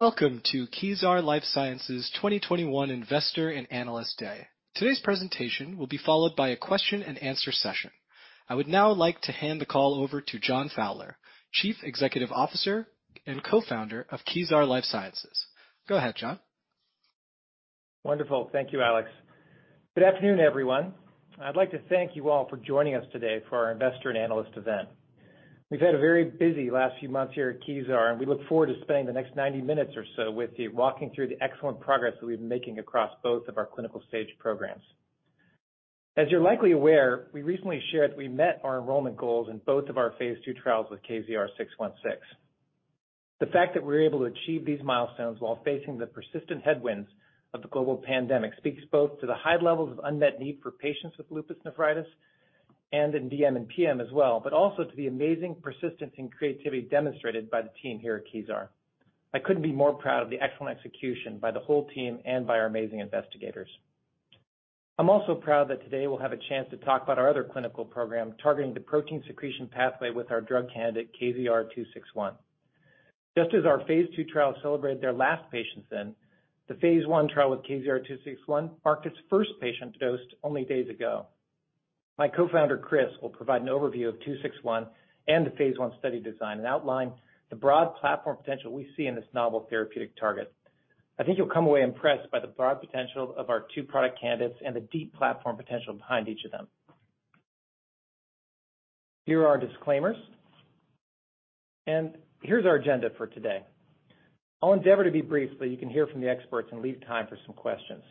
Welcome to Kezar Life Sciences 2021 Investor and Analyst Day. Today's presentation will be followed by a question-and-answer session. I would now like to hand the call over to John Fowler, Chief Executive Officer and Co-founder of Kezar Life Sciences. Go ahead, John. Wonderful. Thank you, Alex. Good afternoon, everyone. I'd like to thank you all for joining us today for our Investor and Analyst event. We've had a very busy last few months here at Kezar, and we look forward to spending the next 90 minutes or so with you walking through the excellent progress that we've been making across both of our clinical stage programs. As you're likely aware, we recently shared we met our enrollment goals in both of our phase II trials with KZR-616. The fact that we're able to achieve these milestones while facing the persistent headwinds of the global pandemic speaks both to the high levels of unmet need for patients with lupus nephritis and in DM and PM as well, but also to the amazing persistence and creativity demonstrated by the team here at Kezar. I couldn't be more proud of the excellent execution by the whole team and by our amazing investigators. I'm also proud that today we'll have a chance to talk about our other clinical program targeting the protein secretion pathway with our drug candidate, KZR-261. Just as our phase II trial celebrated their last patients in, the phase I trial with KZR-261 marked its first patient dosed only days ago. My co-founder, Chris, will provide an overview of KZR-261 and the phase I study design and outline the broad platform potential we see in this novel therapeutic target. I think you'll come away impressed by the broad potential of our two product candidates and the deep platform potential behind each of them. Here are our disclaimers, and here's our agenda for today. I'll endeavor to be brief, so you can hear from the experts and leave time for some questions.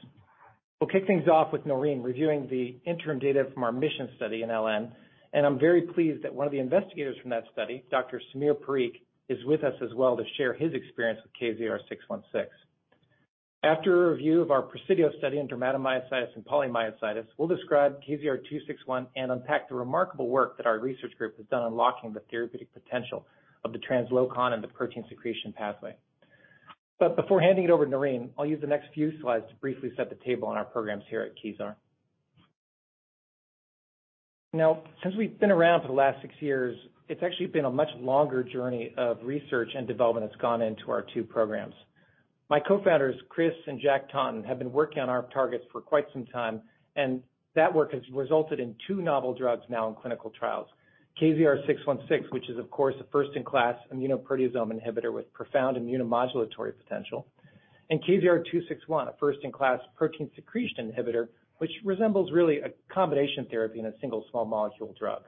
We'll kick things off with Noreen reviewing the interim data from our MISSION study in LN, and I'm very pleased that one of the investigators from that study, Dr. Samir Parikh, is with us as well to share his experience with KZR-616. After a review of our PRESIDIO study in dermatomyositis and polymyositis, we'll describe KZR-261 and unpack the remarkable work that our research group has done unlocking the therapeutic potential of the translocon and the protein secretion pathway. Before handing it over to Noreen, I'll use the next few slides to briefly set the table on our programs here at Kezar. Now, since we've been around for the last six years, it's actually been a much longer journey of research and development that's gone into our two programs. My co-founders, Chris Kirk and Jack Taunton, have been working on our targets for quite some time, and that work has resulted in two novel drugs now in clinical trials. KZR-616, which is of course a first-in-class immunoproteasome inhibitor with profound immunomodulatory potential, and KZR-261, a first-in-class protein secretion inhibitor, which resembles really a combination therapy in a single small molecule drug.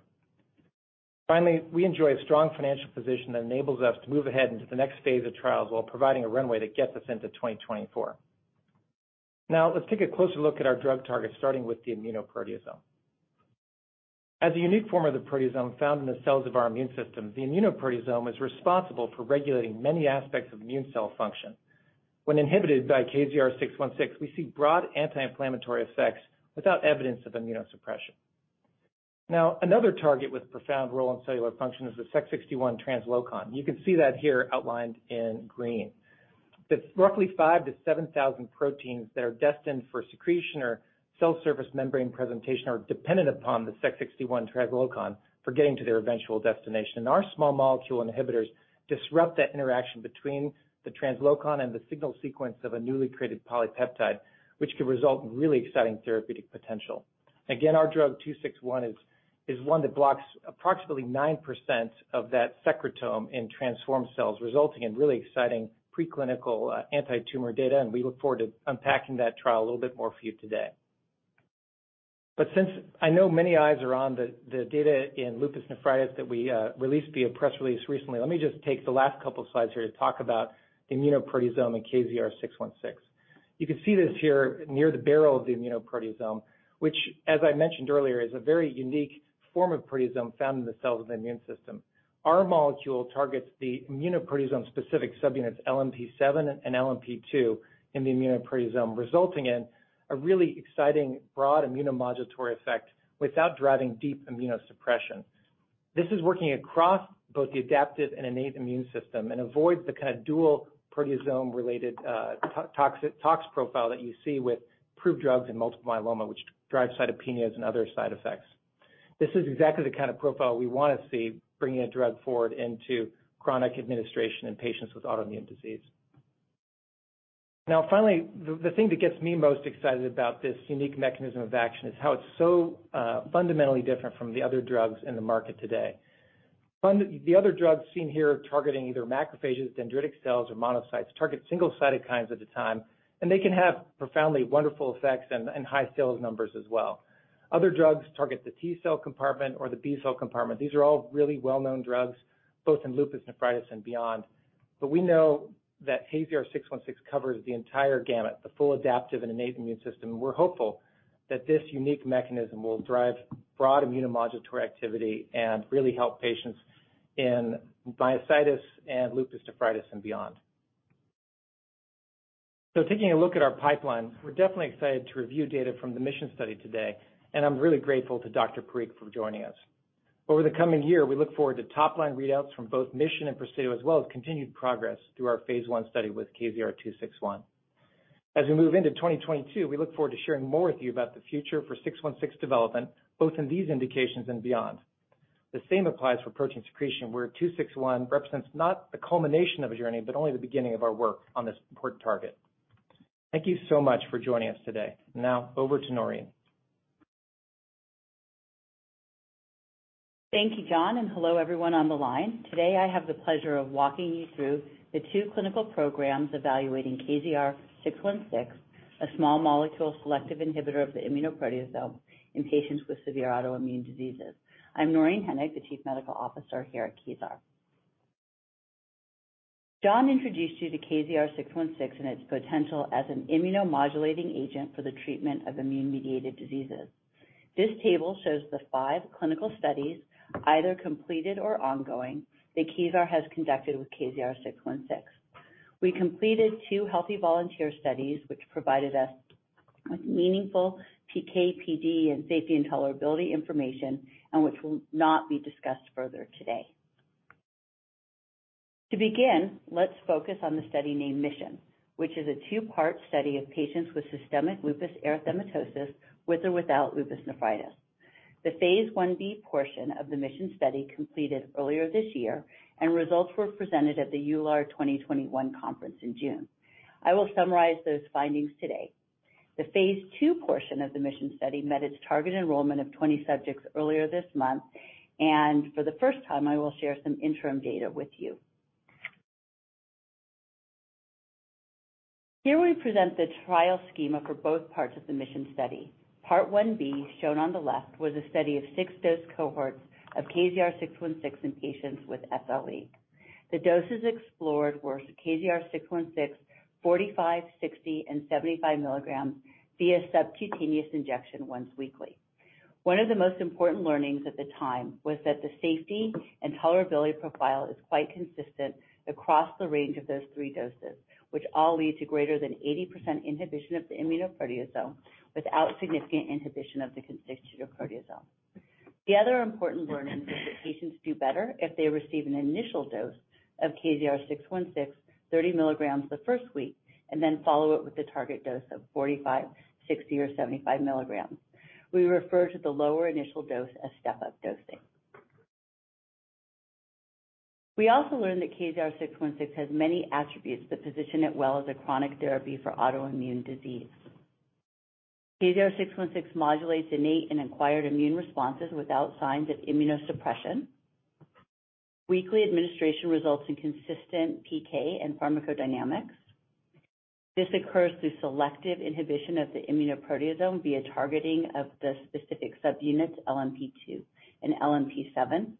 Finally, we enjoy a strong financial position that enables us to move ahead into the next phase of trials while providing a runway that gets us into 2024. Now, let's take a closer look at our drug targets, starting with the immunoproteasome. As a unique form of the proteasome found in the cells of our immune system, the immunoproteasome is responsible for regulating many aspects of immune cell function. When inhibited by KZR-616, we see broad anti-inflammatory effects without evidence of immunosuppression. Now, another target with profound role in cellular function is the Sec61 translocon. You can see that here outlined in green. The roughly 5,000-7,000 proteins that are destined for secretion or cell surface membrane presentation are dependent upon the Sec61 translocon for getting to their eventual destination. Our small molecule inhibitors disrupt that interaction between the translocon and the signal sequence of a newly created polypeptide, which can result in really exciting therapeutic potential. Again, our drug 261 is one that blocks approximately 9% of that secretome in transformed cells, resulting in really exciting preclinical anti-tumor data, and we look forward to unpacking that trial a little bit more for you today. Since I know many eyes are on the data in lupus nephritis that we released via press release recently, let me just take the last couple slides here to talk about the immunoproteasome and KZR-616. You can see this here near the barrel of the immunoproteasome, which as I mentioned earlier, is a very unique form of proteasome found in the cells of the immune system. Our molecule targets the immunoproteasome-specific subunits LMP7 and LMP2 in the immunoproteasome, resulting in a really exciting broad immunomodulatory effect without driving deep immunosuppression. This is working across both the adaptive and innate immune system and avoids the kind of dual proteasome-related tox profile that you see with approved drugs in Multiple Myeloma, which drive cytopenias and other side effects. This is exactly the kind of profile we want to see bringing a drug forward into chronic administration in patients with autoimmune disease. Now finally, the thing that gets me most excited about this unique mechanism of action is how it's so fundamentally different from the other drugs in the market today. The other drugs seen here targeting either macrophages, dendritic cells or monocytes target single cytokines at a time, and they can have profoundly wonderful effects and high sales numbers as well. Other drugs target the T-cell compartment or the B-cell compartment. These are all really well-known drugs, both in lupus nephritis and beyond. We know that KZR-616 covers the entire gamut, the full adaptive and innate immune system. We're hopeful that this unique mechanism will drive broad immunomodulatory activity and really help patients in myositis and lupus nephritis and beyond. Taking a look at our pipeline, we're definitely excited to review data from the MISSION study today, and I'm really grateful to Dr. Parikh for joining us. Over the coming year, we look forward to top-line readouts from both MISSION and PRESIDIO, as well as continued progress through our phase I study with KZR-261. As we move into 2022, we look forward to sharing more with you about the future for 616 development, both in these indications and beyond. The same applies for protein secretion, where 261 represents not the culmination of a journey, but only the beginning of our work on this important target. Thank you so much for joining us today. Now over to Noreen. Thank you, John, and hello everyone on the line. Today, I have the pleasure of walking you through the 2 clinical programs evaluating KZR-616, a small molecule selective inhibitor of the immunoproteasome in patients with severe autoimmune diseases. I'm Noreen Henig, the Chief Medical Officer here at Kezar. John introduced you to KZR-616 and its potential as an immunomodulating agent for the treatment of immune-mediated diseases. This table shows the 5 clinical studies, either completed or ongoing, that Kezar has conducted with KZR-616. We completed 2 healthy volunteer studies, which provided us with meaningful PK/PD and safety and tolerability information, and which will not be discussed further today. To begin, let's focus on the study named MISSION, which is a two-part study of patients with systemic lupus erythematosus with or without lupus nephritis. The phase Ib portion of the MISSION study completed earlier this year, and results were presented at the EULAR 2021 conference in June. I will summarize those findings today. The phase II portion of the MISSION study met its target enrollment of 20 subjects earlier this month, and for the first time, I will share some interim data with you. Here we present the trial schema for both parts of the MISSION study. Part I-B, shown on the left, was a study of 6 dose cohorts of KZR-616 in patients with SLE. The doses explored were KZR-616 45, 60, and 75 milligrams via subcutaneous injection once weekly. One of the most important learnings at the time was that the safety and tolerability profile is quite consistent across the range of those three doses, which all lead to greater than 80% inhibition of the immunoproteasome without significant inhibition of the constitutive proteasome. The other important learning is that patients do better if they receive an initial dose of KZR-616 30 milligrams the first week and then follow it with a target dose of 45, 60, or 75 milligrams. We refer to the lower initial dose as step-up dosing. We also learned that KZR-616 has many attributes that position it well as a chronic therapy for autoimmune disease. KZR-616 modulates innate and acquired immune responses without signs of immunosuppression. Weekly administration results in consistent PK and pharmacodynamics. This occurs through selective inhibition of the immunoproteasome via targeting of the specific subunits LMP2 and LMP7.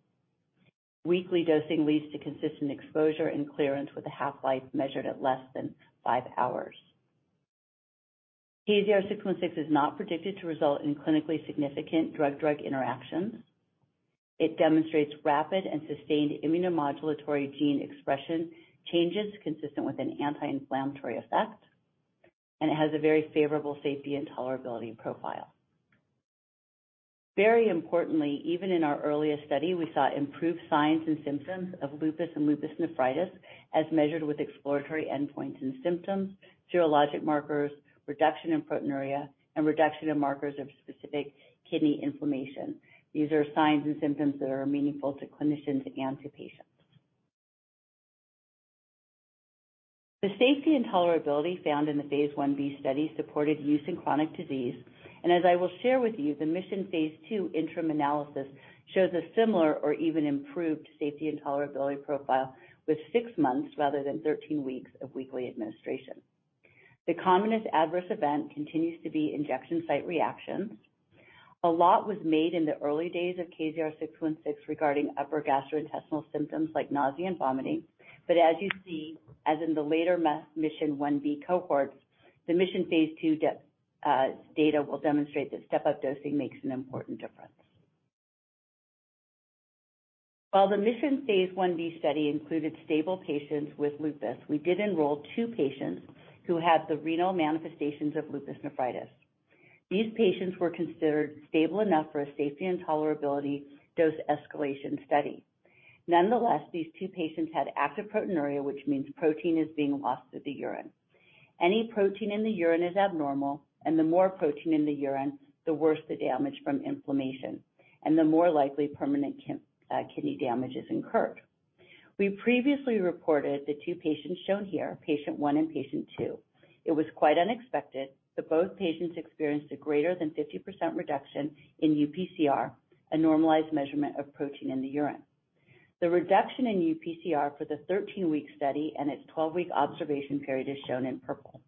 Weekly dosing leads to consistent exposure and clearance with a half-life measured at less than 5 hours. KZR-616 is not predicted to result in clinically significant drug-drug interactions. It demonstrates rapid and sustained immunomodulatory gene expression changes consistent with an anti-inflammatory effect, and it has a very favorable safety and tolerability profile. Very importantly, even in our earliest study, we saw improved signs and symptoms of lupus and lupus nephritis as measured with exploratory endpoints and symptoms, serologic markers, reduction in proteinuria, and reduction in markers of specific kidney inflammation. These are signs and symptoms that are meaningful to clinicians and to patients. The safety and tolerability found in the phase Ib study supported use in chronic disease, and as I will share with you, the MISSION phase II interim analysis shows a similar or even improved safety and tolerability profile with six months rather than 13 weeks of weekly administration. The commonest adverse event continues to be injection site reactions. A lot was made in the early days of KZR-616 regarding upper gastrointestinal symptoms like nausea and vomiting. As you see, as in the later MISSION phase Ib cohorts, the MISSION phase II data will demonstrate that step-up dosing makes an important difference. While the MISSION phase Ib study included stable patients with lupus, we did enroll two patients who had the renal manifestations of lupus nephritis. These patients were considered stable enough for a safety and tolerability dose escalation study. Nonetheless, these two patients had active proteinuria, which means protein is being lost through the urine. Any protein in the urine is abnormal, and the more protein in the urine, the worse the damage from inflammation, and the more likely permanent kidney damage is incurred. We previously reported the two patients shown here, patient one and patient two. It was quite unexpected that both patients experienced a greater than 50% reduction in UPCR, a normalized measurement of protein in the urine. The reduction in UPCR for the 13-week study and its 12-week observation period is shown in purple.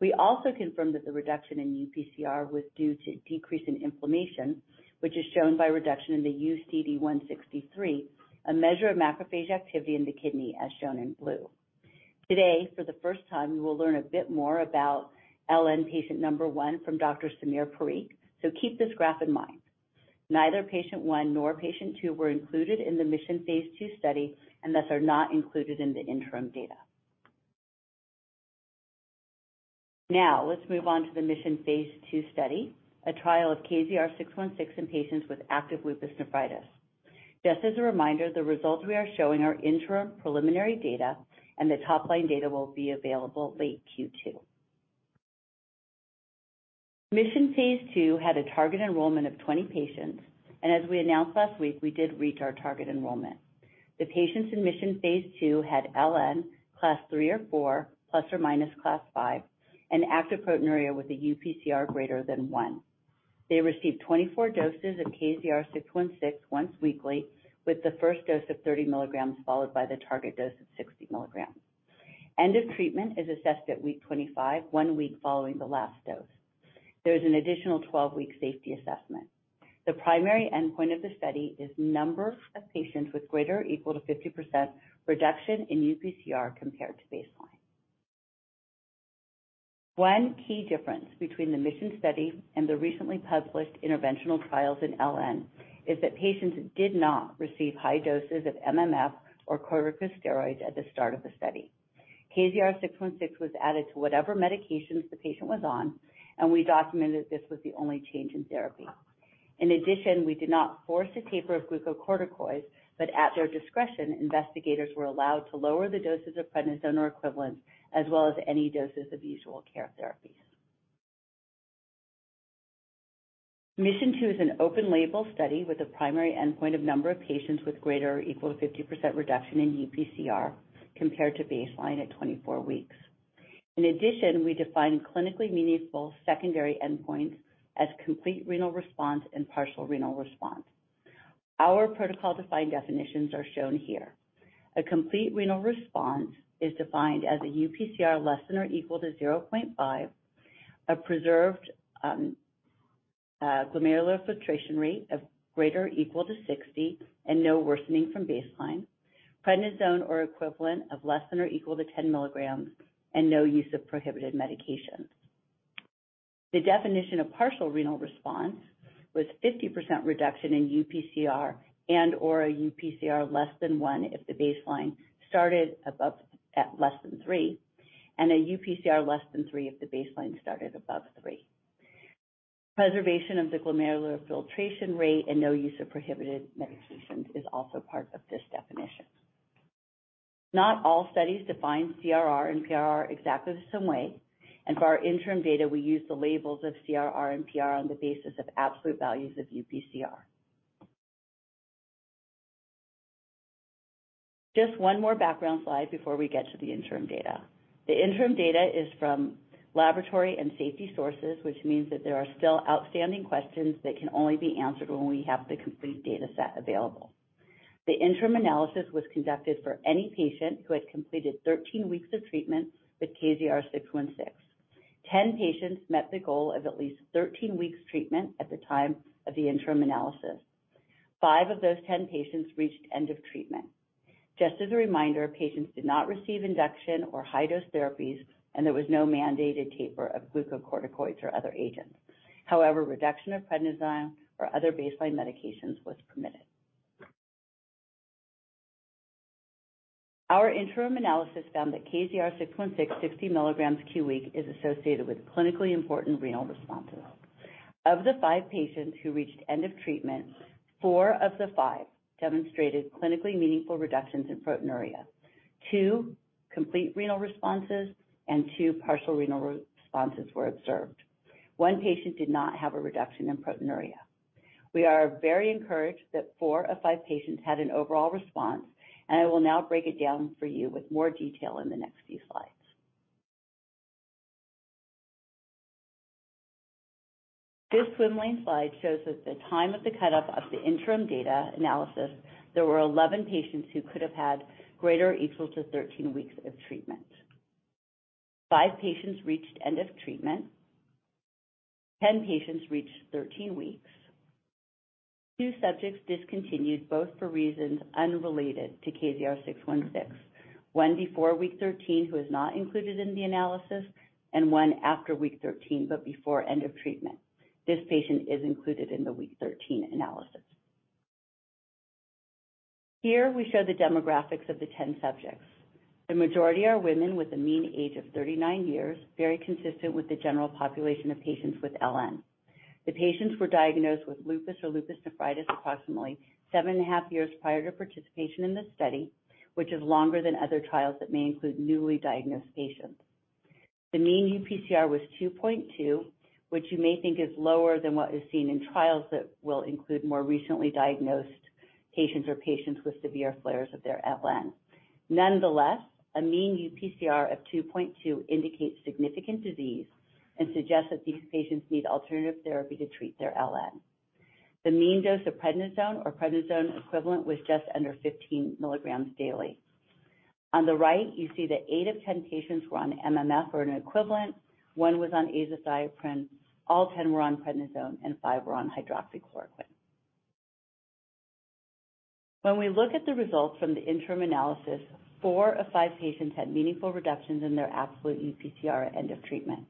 We also confirmed that the reduction in UPCR was due to decrease in inflammation, which is shown by reduction in the sCD163, a measure of macrophage activity in the kidney, as shown in blue. Today, for the first time, we will learn a bit more about LN patient number 1 from Dr. Samir Parikh, so keep this graph in mind. Neither patient 1 nor patient 2 were included in the MISSION phase II study and thus are not included in the interim data. Now let's move on to the MISSION phase II study, a trial of KZR-616 in patients with active lupus nephritis. Just as a reminder, the results we are showing are interim preliminary data, and the top-line data will be available late Q2. Mission phase II had a target enrollment of 20 patients, and as we announced last week, we did reach our target enrollment. The patients in Mission phase II had LN class III or IV ± class V, and active proteinuria with a UPCR greater than 1. They received 24 doses of KZR-616 once weekly, with the first dose of 30 milligrams followed by the target dose of 60 milligrams. End of treatment is assessed at week 25, one week following the last dose. There is an additional 12-week safety assessment. The primary endpoint of the study is number of patients with greater or equal to 50% reduction in UPCR compared to baseline. One key difference between the Mission study and the recently published interventional trials in LN is that patients did not receive high doses of MMF or corticosteroids at the start of the study. KZR-616 was added to whatever medications the patient was on, and we documented this was the only change in therapy. In addition, we did not force a taper of glucocorticoids, but at their discretion, investigators were allowed to lower the doses of prednisone or equivalent, as well as any doses of usual care therapies. MISSION 2 is an open-label study with a primary endpoint of number of patients with greater than or equal to 50% reduction in UPCR compared to baseline at 24 weeks. In addition, we define clinically meaningful secondary endpoints as complete renal response and partial renal response. Our protocol-defined definitions are shown here. A complete renal response is defined as a UPCR less than or equal to 0.5, a preserved glomerular filtration rate of greater than or equal to 60 and no worsening from baseline, prednisone or equivalent of less than or equal to 10 mg, and no use of prohibited medications. The definition of partial renal response was 50% reduction in UPCR and/or a UPCR less than 1 if the baseline started at less than 3, and a UPCR less than 3 if the baseline started above 3. Preservation of the glomerular filtration rate and no use of prohibited medications is also part of this definition. Not all studies define CRR and PR exactly the same way, and for our interim data, we use the labels of CRR and PR on the basis of absolute values of UPCR. Just one more background slide before we get to the interim data. The interim data is from laboratory and safety sources, which means that there are still outstanding questions that can only be answered when we have the complete data set available. The interim analysis was conducted for any patient who had completed 13 weeks of treatment with KZR-616. 10 patients met the goal of at least 13 weeks treatment at the time of the interim analysis. Five of those 10 patients reached end of treatment. Just as a reminder, patients did not receive induction or high-dose therapies, and there was no mandated taper of glucocorticoids or other agents. However, reduction of prednisone or other baseline medications was permitted. Our interim analysis found that KZR-616 60 mg q-week is associated with clinically important renal responses. Of the five patients who reached end of treatment, four of the five demonstrated clinically meaningful reductions in proteinuria. Two complete renal responses and two partial renal responses were observed. One patient did not have a reduction in proteinuria. We are very encouraged that four of five patients had an overall response, and I will now break it down for you with more detail in the next few slides. This swim lane slide shows that at the time of the cut-off of the interim data analysis, there were 11 patients who could have had greater than or equal to 13 weeks of treatment. 5 patients reached end of treatment. 10 patients reached 13 weeks. 2 subjects discontinued, both for reasons unrelated to KZR-616. One before week 13, who is not included in the analysis, and one after week 13 but before end of treatment. This patient is included in the week 13 analysis. Here we show the demographics of the 10 subjects. The majority are women with a mean age of 39 years, very consistent with the general population of patients with LN. The patients were diagnosed with lupus or lupus nephritis approximately 7.5 years prior to participation in this study, which is longer than other trials that may include newly diagnosed patients. The mean UPCR was 2.2, which you may think is lower than what is seen in trials that will include more recently diagnosed patients or patients with severe flares of their LN. Nonetheless, a mean UPCR of 2.2 indicates significant disease and suggests that these patients need alternative therapy to treat their LN. The mean dose of prednisone or prednisone equivalent was just under 15 milligrams daily. On the right, you see that eight of 10 patients were on MMF or an equivalent. One was on azathioprine. All 10 were on prednisone, and five were on hydroxychloroquine. When we look at the results from the interim analysis, four of five patients had meaningful reductions in their absolute UPCR at end of treatment.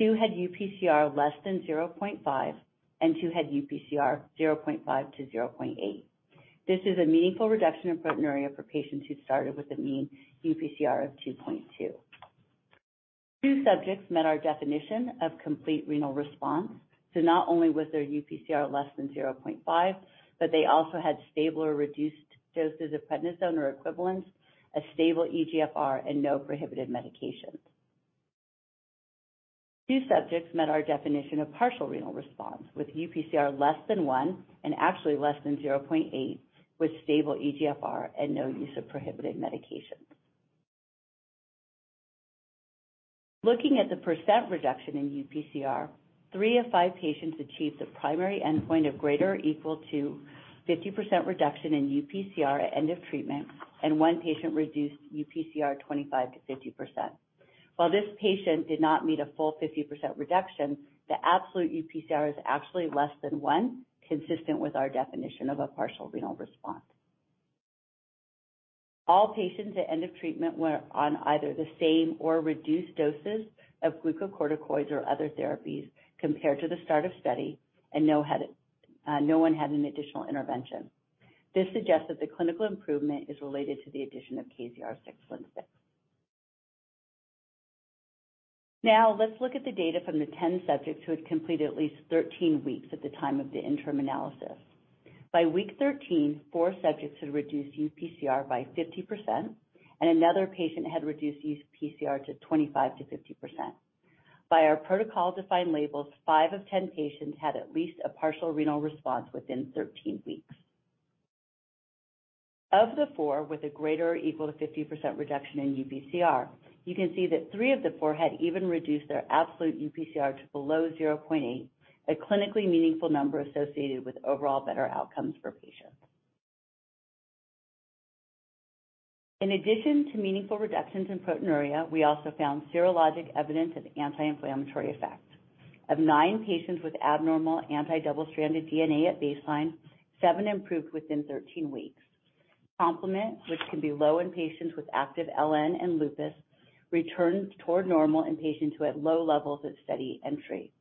Two had UPCR less than 0.5, and two had UPCR 0.5 to 0.8. This is a meaningful reduction in proteinuria for patients who started with a mean UPCR of 2.2. Two subjects met our definition of complete renal response. Not only was their UPCR less than 0.5, but they also had stable or reduced doses of prednisone or equivalent, a stable eGFR, and no prohibited medications. Two subjects met our definition of partial renal response with UPCR less than 1 and actually less than 0.8, with stable eGFR and no use of prohibited medications. Looking at the % reduction in UPCR, 3 of 5 patients achieved the primary endpoint of greater than or equal to 50% reduction in UPCR at end of treatment, and 1 patient reduced UPCR 25% to 50%. While this patient did not meet a full 50% reduction, the absolute UPCR is actually less than 1, consistent with our definition of a partial renal response. All patients at end of treatment were on either the same or reduced doses of glucocorticoids or other therapies compared to the start of study, and no one had an additional intervention. This suggests that the clinical improvement is related to the addition of KZR-616. Now let's look at the data from the 10 subjects who had completed at least 13 weeks at the time of the interim analysis. By week 13, 4 subjects had reduced UPCR by 50%, and another patient had reduced UPCR to 25%-50%. By our protocol-defined labels, 5 of 10 patients had at least a partial renal response within 13 weeks. Of the 4 with a greater or equal to 50% reduction in UPCR, you can see that 3 of the 4 had even reduced their absolute UPCR to below 0.8, a clinically meaningful number associated with overall better outcomes for patients. In addition to meaningful reductions in proteinuria, we also found serologic evidence of anti-inflammatory effects. Of 9 patients with abnormal anti-double-stranded DNA at baseline, 7 improved within 13 weeks. Complement, which can be low in patients with active LN and lupus, returns toward normal in patients who had low levels at study entry.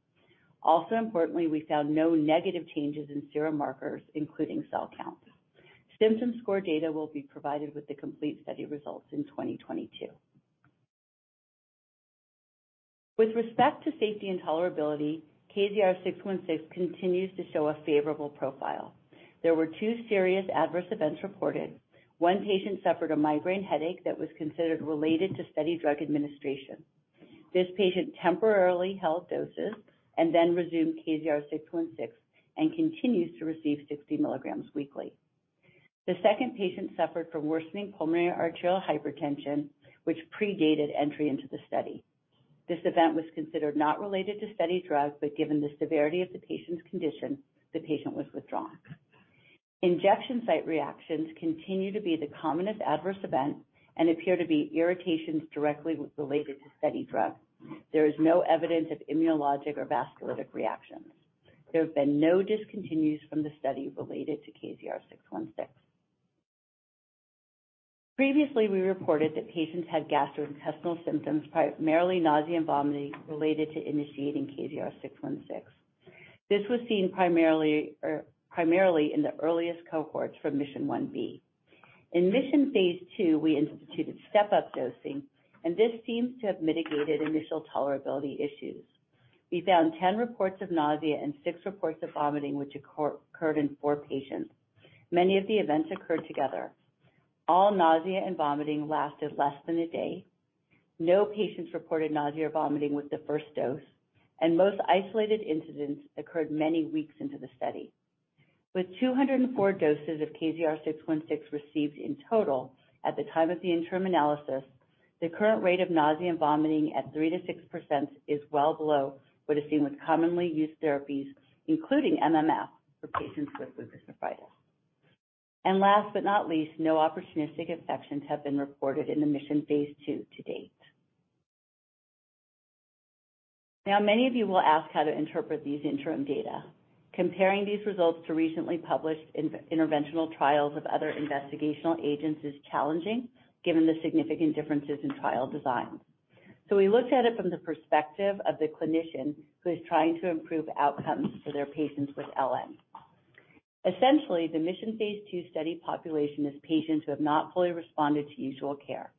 Also importantly, we found no negative changes in serum markers, including cell counts. Symptom score data will be provided with the complete study results in 2022. With respect to safety and tolerability, KZR-616 continues to show a favorable profile. There were 2 serious adverse events reported. One patient suffered a migraine headache that was considered related to study drug administration. This patient temporarily held doses and then resumed KZR-616 and continues to receive 60 mg weekly. The second patient suffered from worsening pulmonary arterial hypertension, which predated entry into the study. This event was considered not related to study drug, but given the severity of the patient's condition, the patient was withdrawn. Injection site reactions continue to be the commonest adverse event and appear to be irritations directly related to study drug. There is no evidence of immunologic or vasculitic reactions. There have been no discontinuations from the study related to KZR-616. Previously, we reported that patients had gastrointestinal symptoms, primarily nausea and vomiting, related to initiating KZR-616. This was seen primarily in the earliest cohorts from MISSION phase Ib. In MISSION phase II, we instituted step-up dosing, and this seems to have mitigated initial tolerability issues. We found 10 reports of nausea and 6 reports of vomiting, which occurred in 4 patients. Many of the events occurred together. All nausea and vomiting lasted less than a day. No patients reported nausea or vomiting with the first dose, and most isolated incidents occurred many weeks into the study. With 204 doses of KZR-616 received in total at the time of the interim analysis, the current rate of nausea and vomiting at 3%-6% is well below what is seen with commonly used therapies, including MMF, for patients with lupus nephritis. Last but not least, no opportunistic infections have been reported in the MISSION phase II to date. Now, many of you will ask how to interpret these interim data. Comparing these results to recently published inter-interventional trials of other investigational agents is challenging given the significant differences in trial design. We looked at it from the perspective of the clinician who is trying to improve outcomes for their patients with LN. Essentially, the MISSION phase II study population is patients who have not fully responded to usual care.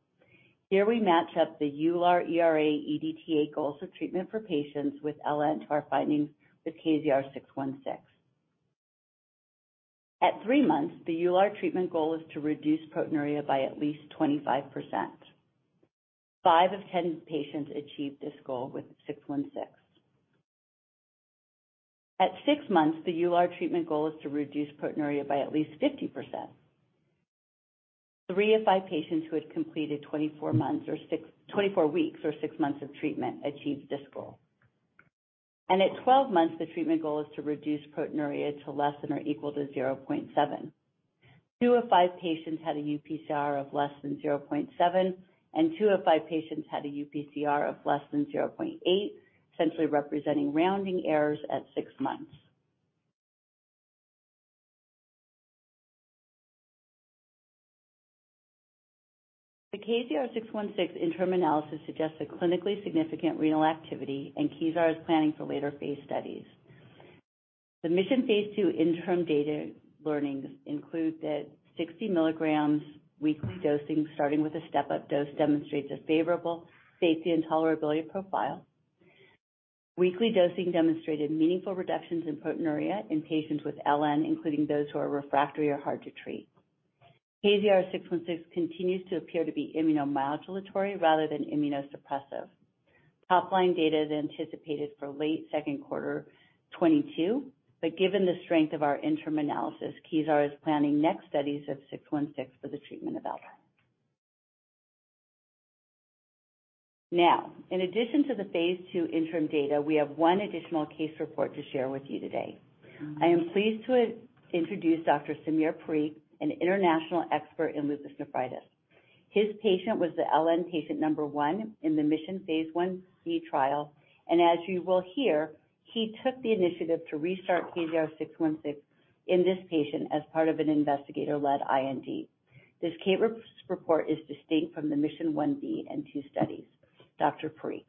Here we match up the EULAR/ERA-EDTA goals of treatment for patients with LN to our findings with KZR-616. At 3 months, the EULAR/ERA-EDTA treatment goal is to reduce proteinuria by at least 25%. 5 of 10 patients achieved this goal with 616. At 6 months, the EULAR/ERA-EDTA treatment goal is to reduce proteinuria by at least 50%. 3 of 5 patients who had completed 24 weeks or 6 months of treatment achieved this goal. At 12 months, the treatment goal is to reduce proteinuria to less than or equal to 0.7. 2 of 5 patients had a UPCR of less than 0.7, and 2 of 5 patients had a UPCR of less than 0.8, essentially representing rounding errors at 6 months. The KZR-616 interim analysis suggests a clinically significant renal activity, and Kezar is planning for later phase studies. The MISSION phase II interim data learnings include that 60 mg weekly dosing, starting with a step-up dose, demonstrates a favorable safety and tolerability profile. Weekly dosing demonstrated meaningful reductions in proteinuria in patients with LN, including those who are refractory or hard to treat. KZR-616 continues to appear to be immunomodulatory rather than immunosuppressive. Top-line data is anticipated for late second quarter 2022, but given the strength of our interim analysis, Kezar is planning next studies of 616 for the treatment of LN. Now, in addition to the phase II interim data, we have one additional case report to share with you today. I am pleased to have introduced Dr. Samir Parikh, an international expert in lupus nephritis. His patient was the LN patient number one in the Mission phase I trial, and as you will hear, he took the initiative to restart KZR-616 in this patient as part of an investigator-led IND. This case report is distinct from the Mission Ib and II studies. Dr. Parikh.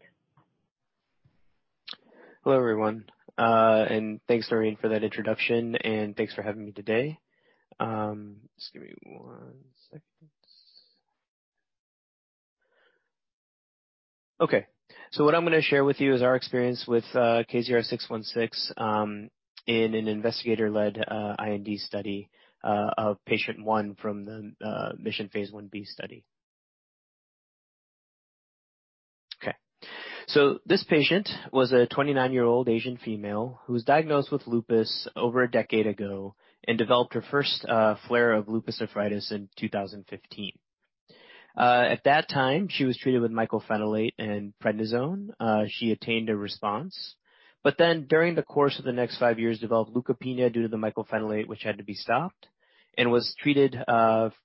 Hello, everyone. Thanks, Noreen, for that introduction, and thanks for having me today. Just give me one second. Okay. What I'm gonna share with you is our experience with KZR-616 in an investigator-led IND study of patient 1 from the MISSION phase Ib study. Okay. This patient was a 29-year-old Asian female who was diagnosed with lupus over a decade ago and developed her first flare of lupus nephritis in 2015. At that time, she was treated with mycophenolate and prednisone. She attained a response, but then during the course of the next 5 years, developed leukopenia due to the mycophenolate, which had to be stopped and was treated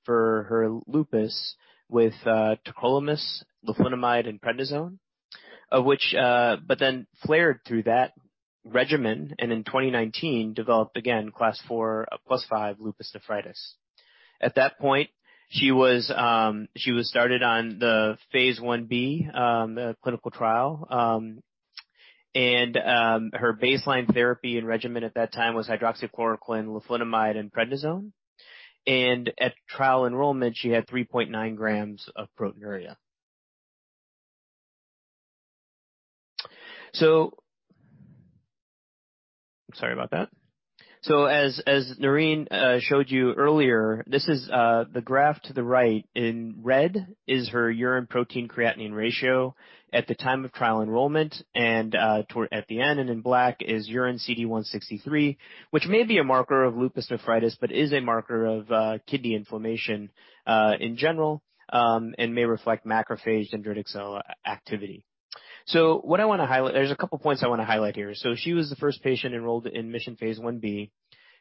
for her lupus with tacrolimus, leflunomide and prednisone. Flared through that regimen and in 2019 developed again class IV + V lupus nephritis. At that point, she was started on the phase Ib clinical trial. Her baseline therapy and regimen at that time was hydroxychloroquine, leflunomide and prednisone. At trial enrollment, she had 3.9 grams of proteinuria. Sorry about that. As Noreen showed you earlier, this is the graph to the right in red is her urine protein creatinine ratio at the time of trial enrollment and toward the end and in black is urine sCD163, which may be a marker of lupus nephritis, but is a marker of kidney inflammation in general and may reflect macrophage dendritic cell activity. What I wanna highlight. There's a couple points I wanna highlight here. She was the first patient enrolled in MISSION phase Ib.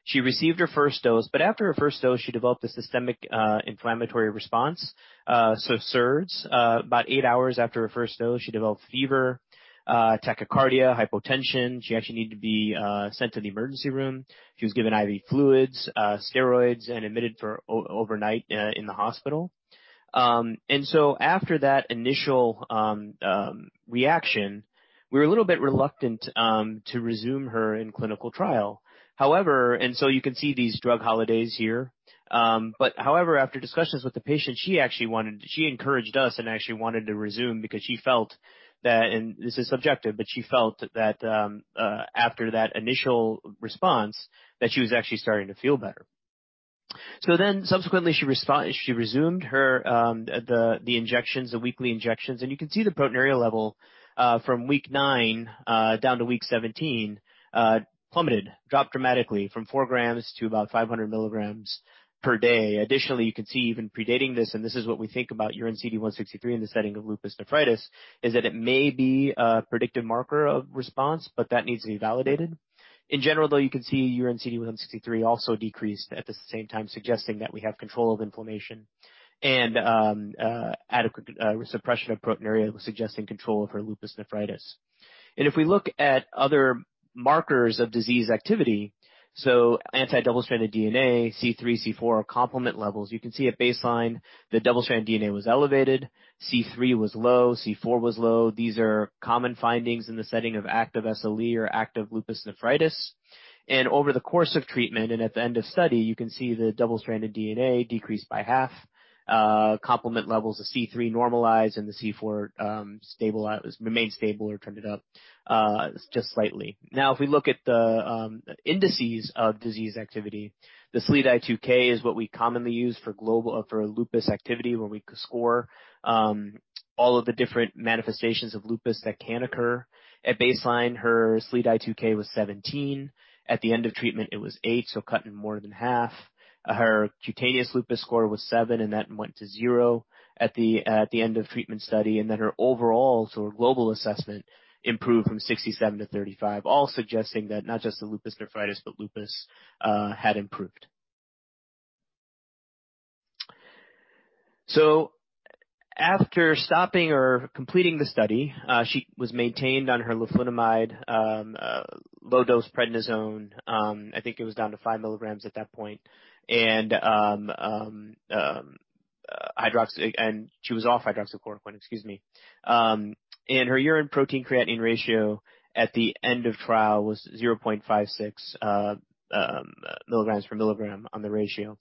She received her first dose, but after her first dose, she developed a systemic inflammatory response, so SIRS. About eight hours after her first dose, she developed fever, tachycardia, hypotension. She actually needed to be sent to the emergency room. She was given IV fluids, steroids, and admitted for overnight in the hospital. After that initial reaction, we were a little bit reluctant to resume her in clinical trial. However, you can see these drug holidays here. However, after discussions with the patient, she actually wanted, she encouraged us and actually wanted to resume because she felt that, and this is subjective, but she felt that after that initial response, that she was actually starting to feel better. Subsequently, she resumed her the injections, the weekly injections, and you can see the proteinuria level from week 9 down to week 17 plummeted. Dropped dramatically from 4 grams to about 500 milligrams per day. Additionally, you can see even predating this, and this is what we think about urine sCD163 in the setting of lupus nephritis, is that it may be a predictive marker of response, but that needs to be validated. In general, though, you can see urine sCD163 also decreased at the same time, suggesting that we have control of inflammation and adequate suppression of proteinuria was suggesting control of her lupus nephritis. If we look at other markers of disease activity, so anti-dsDNA, C3, C4 complement levels, you can see at baseline the double-stranded DNA was elevated, C3 was low, C4 was low. These are common findings in the setting of active SLE or active lupus nephritis. Over the course of treatment and at the end of study, you can see the double-stranded DNA decreased by half. Complement levels of C3 normalized and the C4 stabilized, remained stable or trended up just slightly. Now, if we look at the indices of disease activity, the SLEDAI-2K is what we commonly use for global or for lupus activity, where we score all of the different manifestations of lupus that can occur. At baseline, her SLEDAI-2K was 17. At the end of treatment, it was 8, so cut in more than half. Her cutaneous lupus score was 7, and that went to 0 at the end of treatment study. Then her overall, so her global assessment improved from 67 to 35, all suggesting that not just the lupus nephritis, but lupus had improved. After stopping or completing the study, she was maintained on her leflunomide, low dose prednisone, I think it was down to 5 milligrams at that point. She was off hydroxychloroquine, excuse me. Her urine protein creatinine ratio at the end of trial was 0.56 milligrams per milligram on the ratio.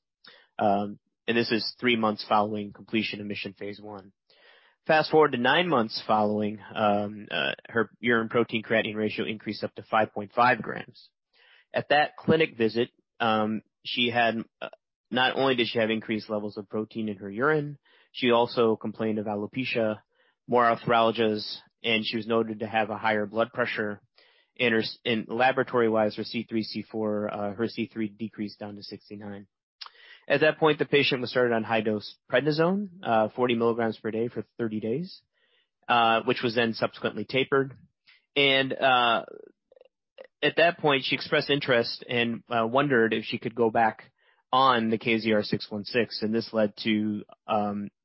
This is three months following completion of MISSION phase I. Fast-forward to nine months following, her urine protein creatinine ratio increased up to 5.5 grams. At that clinic visit, she had not only increased levels of protein in her urine, she also complained of alopecia, more arthralgias, and she was noted to have a higher blood pressure. Her laboratory-wise, her C3, C4, her C3 decreased down to 69. At that point, the patient was started on high-dose prednisone, 40 milligrams per day for 30 days, which was then subsequently tapered. At that point, she expressed interest and wondered if she could go back on the KZR-616, and this led to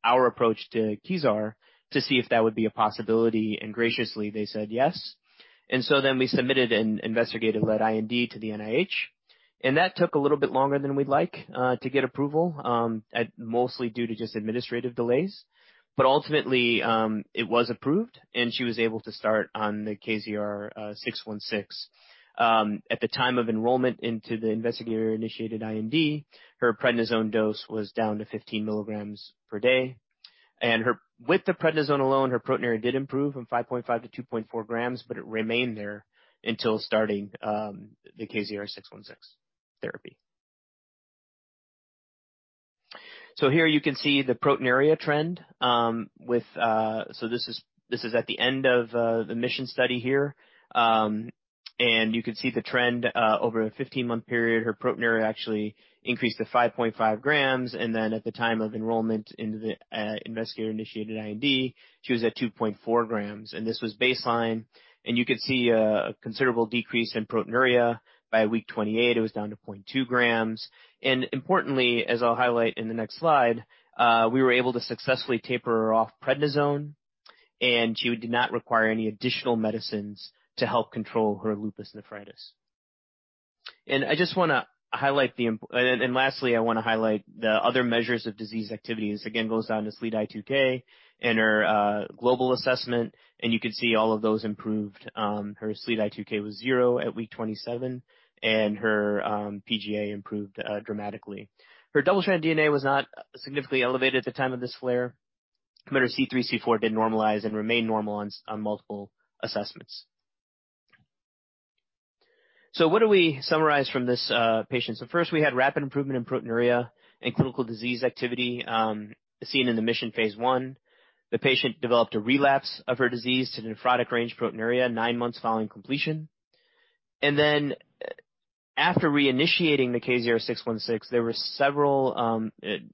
our approach to Kezar to see if that would be a possibility, and graciously, they said yes. We submitted an investigator-led IND to the NIH, and that took a little bit longer than we'd like to get approval, at mostly due to just administrative delays. Ultimately, it was approved, and she was able to start on the KZR-616. At the time of enrollment into the investigator-initiated IND, her prednisone dose was down to 15 milligrams per day. With the prednisone alone, her proteinuria did improve from 5.5 to 2.4 grams, but it remained there until starting the KZR-616 therapy. Here you can see the proteinuria trend with this is at the end of the MISSION study here. You can see the trend over a 15-month period. Her proteinuria actually increased to 5.5 grams, and then at the time of enrollment into the investigator-initiated IND, she was at 2.4 grams. This was baseline. You can see a considerable decrease in proteinuria. By week 28, it was down to 0.2 grams. Importantly, as I'll highlight in the next slide, we were able to successfully taper her off prednisone, and she did not require any additional medicines to help control her lupus nephritis. Lastly, I wanna highlight the other measures of disease activities. It goes down to SLEDAI-2K and her global assessment, and you can see all of those improved. Her SLEDAI-2K was zero at week 27, and her PGA improved dramatically. Her double-stranded DNA was not significantly elevated at the time of this flare, but her C3, C4 did normalize and remain normal on multiple assessments. What do we summarize from this patient? First, we had rapid improvement in proteinuria and clinical disease activity seen in the MISSION phase I. The patient developed a relapse of her disease to nephrotic range proteinuria 9 months following completion. After reinitiating the KZR-616, there were several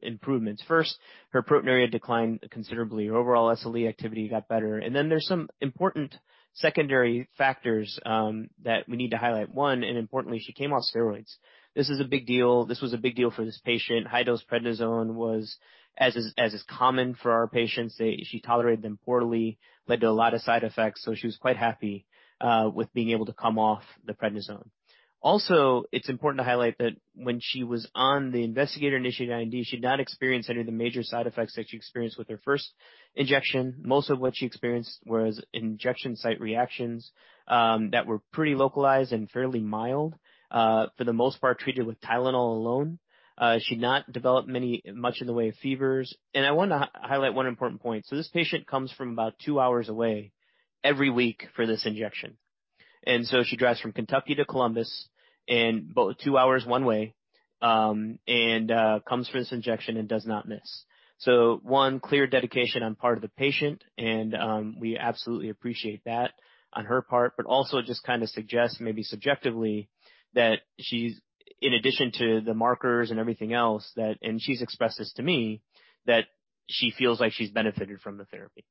improvements. First, her proteinuria declined considerably. Her overall SLE activity got better. There's some important secondary factors that we need to highlight. One, and importantly, she came off steroids. This is a big deal. This was a big deal for this patient. High-dose prednisone was, as is common for our patients, she tolerated them poorly, led to a lot of side effects, so she was quite happy with being able to come off the prednisone. Also, it's important to highlight that when she was on the investigator-initiated IND, she did not experience any of the major side effects that she experienced with her first injection. Most of what she experienced was injection site reactions that were pretty localized and fairly mild, for the most part treated with Tylenol alone. She did not develop much in the way of fevers. I wanna highlight one important point. This patient comes from about two hours away every week for this injection. She drives from Kentucky to Columbus, and about two hours one way, and comes for this injection and does not miss. One clear dedication on part of the patient, and we absolutely appreciate that on her part, but also just kinda suggests, maybe subjectively, that she's, in addition to the markers and everything else, that she's expressed this to me, that she feels like she's benefited from the therapy.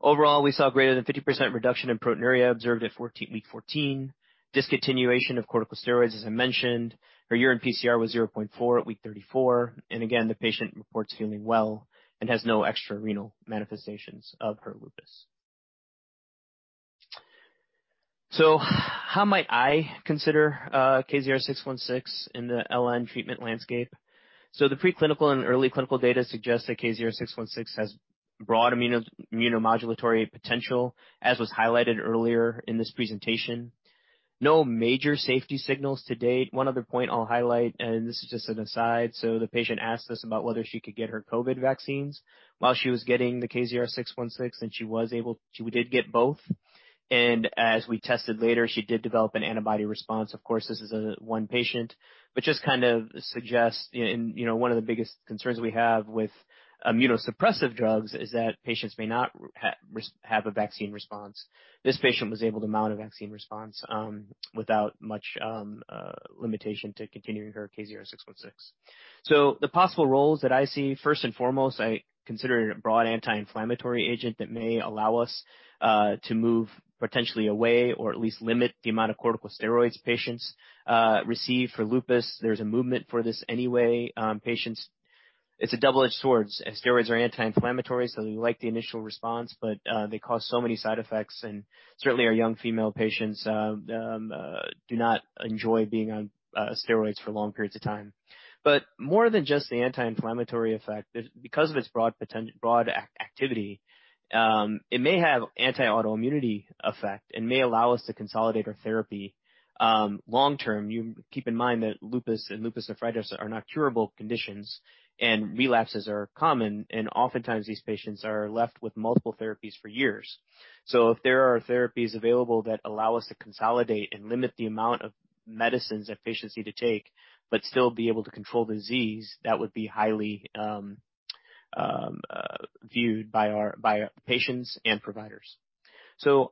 Overall, we saw greater than 50% reduction in proteinuria observed at 14, week 14. Discontinuation of corticosteroids, as I mentioned. Her urine PCR was 0.4 at week 34. The patient reports feeling well and has no extra-renal manifestations of her lupus. How might I consider KZR-616 in the LN treatment landscape? The preclinical and early clinical data suggests that KZR-616 has broad immunomodulatory potential, as was highlighted earlier in this presentation. No major safety signals to date. One other point I'll highlight, and this is just an aside. The patient asked us about whether she could get her COVID vaccines while she was getting the KZR-616, and she was able. She did get both. As we tested later, she did develop an antibody response. Of course, this is one patient, but just kind of suggests, you know, one of the biggest concerns we have with immunosuppressive drugs is that patients may not have a vaccine response. This patient was able to mount a vaccine response, without much limitation to continuing her KZR-616. The possible roles that I see, first and foremost, I consider it a broad anti-inflammatory agent that may allow us to move potentially away or at least limit the amount of corticosteroids patients receive for lupus. There's a movement for this anyway on patients. It's a double-edged sword. Steroids are anti-inflammatories, so we like the initial response, but they cause so many side effects, and certainly our young female patients do not enjoy being on steroids for long periods of time. More than just the anti-inflammatory effect, because of its broad activity, it may have anti-autoimmunity effect and may allow us to consolidate our therapy long term. You keep in mind that lupus and lupus nephritis are not curable conditions, and relapses are common, and oftentimes these patients are left with multiple therapies for years. If there are therapies available that allow us to consolidate and limit the amount of medicines that patients need to take but still be able to control the disease, that would be highly valued by our patients and providers.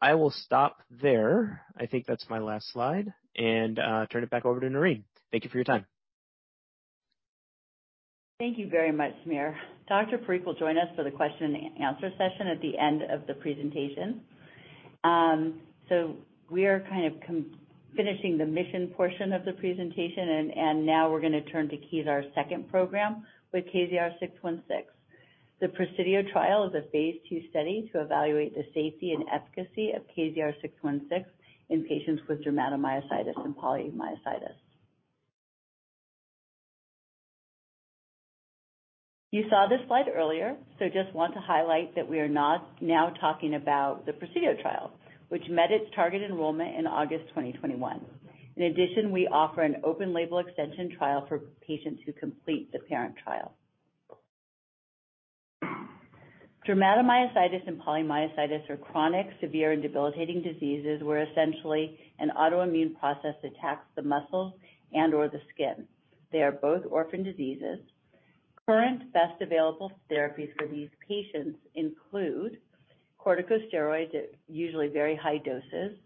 I will stop there. I think that's my last slide and turn it back over to Noreen. Thank you for your time. Thank you very much, Samir. Dr. Parikh will join us for the question and answer session at the end of the presentation. We are finishing the MISSION portion of the presentation, and now we're gonna turn to KZR's second program with KZR-616. The PRESIDIO trial is a phase II study to evaluate the safety and efficacy of KZR-616 in patients with dermatomyositis and polymyositis. You saw this slide earlier, just want to highlight that we are now talking about the PRESIDIO trial, which met its target enrollment in August 2021. In addition, we offer an open label extension trial for patients who complete the parent trial. Dermatomyositis and polymyositis are chronic, severe, and debilitating diseases where essentially an autoimmune process attacks the muscles and/or the skin. They are both orphan diseases. Current best available therapies for these patients include corticosteroids at usually very high doses,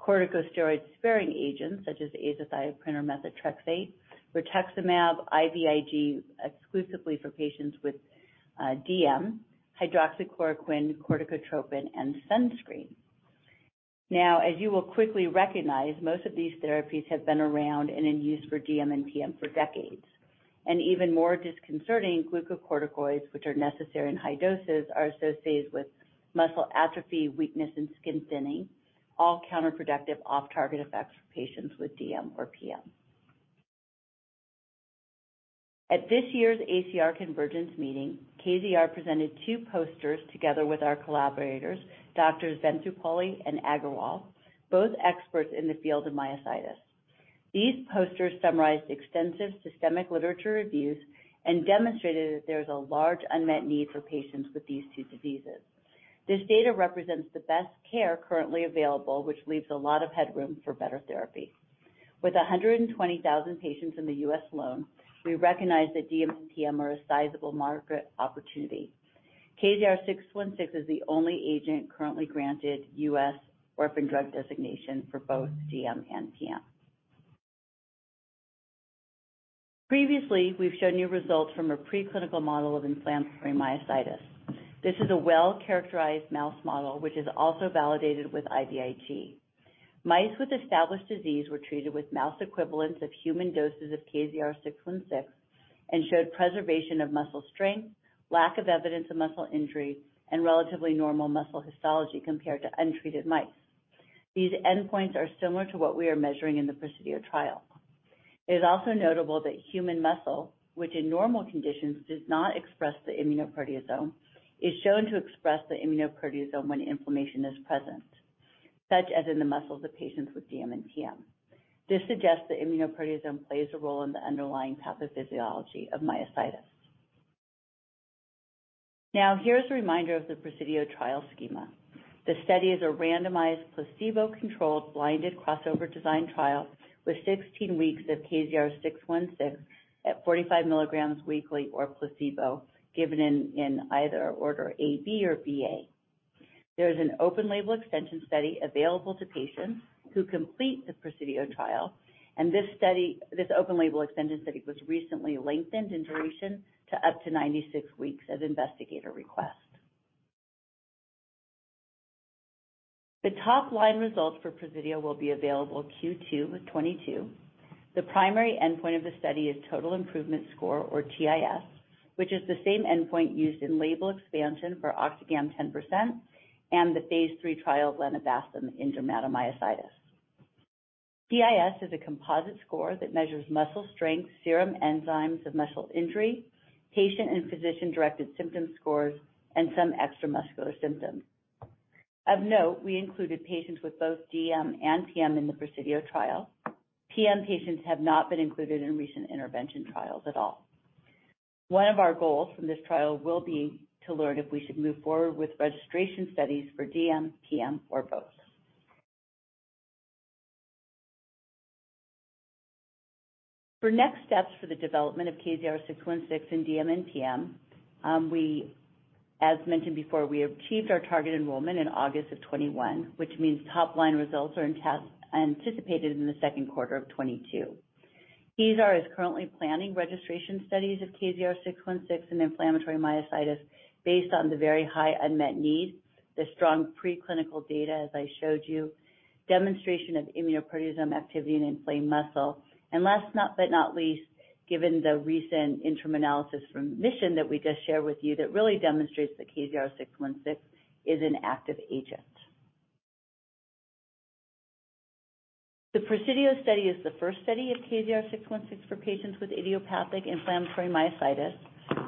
corticosteroid-sparing agents such as azathioprine or methotrexate, rituximab, IVIG exclusively for patients with DM, hydroxychloroquine, corticotropin, and sunscreen. Now, as you will quickly recognize, most of these therapies have been around and in use for DM and PM for decades. Even more disconcerting, glucocorticoids, which are necessary in high doses, are associated with muscle atrophy, weakness, and skin thinning, all counterproductive off-target effects for patients with DM or PM. At this year's ACR Convergence meeting, KZR presented two posters together with our collaborators, Doctors Venuturupalli and Aggarwal, both experts in the field of myositis. These posters summarized extensive systematic literature reviews and demonstrated that there's a large unmet need for patients with these two diseases. This data represents the best care currently available, which leaves a lot of headroom for better therapy. With 120,000 patients in the U.S. alone, we recognize that DM and PM are a sizable market opportunity. KZR-616 is the only agent currently granted U.S. orphan drug designation for both DM and PM. Previously, we've shown you results from a preclinical model of inflammatory myositis. This is a well-characterized mouse model, which is also validated with IVIG. Mice with established disease were treated with mouse equivalents of human doses of KZR-616 and showed preservation of muscle strength, lack of evidence of muscle injury, and relatively normal muscle histology compared to untreated mice. These endpoints are similar to what we are measuring in the PRESIDIO trial. It is also notable that human muscle, which in normal conditions does not express the immunoproteasome, is shown to express the immunoproteasome when inflammation is present, such as in the muscles of patients with DM and PM. This suggests that immunoproteasome plays a role in the underlying pathophysiology of myositis. Now here's a reminder of the PRESIDIO trial schema. The study is a randomized, placebo-controlled, blinded crossover design trial with 16 weeks of KZR-616 at 45 mg weekly or placebo given in either order AB or BA. There's an open label extension study available to patients who complete the PRESIDIO trial, and this open label extension study was recently lengthened in duration to up to 96 weeks at investigator request. The top-line results for PRESIDIO will be available Q2 2022. The primary endpoint of the study is Total Improvement Score or TIS, which is the same endpoint used in label expansion for Octagam 10% and the phase III trial of lenabasum in dermatomyositis. TIS is a composite score that measures muscle strength, serum enzymes of muscle injury, patient and physician-directed symptom scores, and some extra muscular symptoms. Of note, we included patients with both DM and PM in the Presidio trial. PM patients have not been included in recent intervention trials at all. One of our goals from this trial will be to learn if we should move forward with registration studies for DM, PM, or both. For next steps for the development of KZR-616 in DM and PM, as mentioned before, we achieved our target enrollment in August 2021, which means top-line results are anticipated in the second quarter of 2022. Kezar is currently planning registration studies of KZR-616 in inflammatory myositis based on the very high unmet need, the strong preclinical data, as I showed you, demonstration of immunoproteasome activity in inflamed muscle, and last but not least, given the recent interim analysis from MISSION that we just shared with you that really demonstrates that KZR-616 is an active agent. The PRESIDIO study is the first study of KZR-616 for patients with idiopathic inflammatory myositis.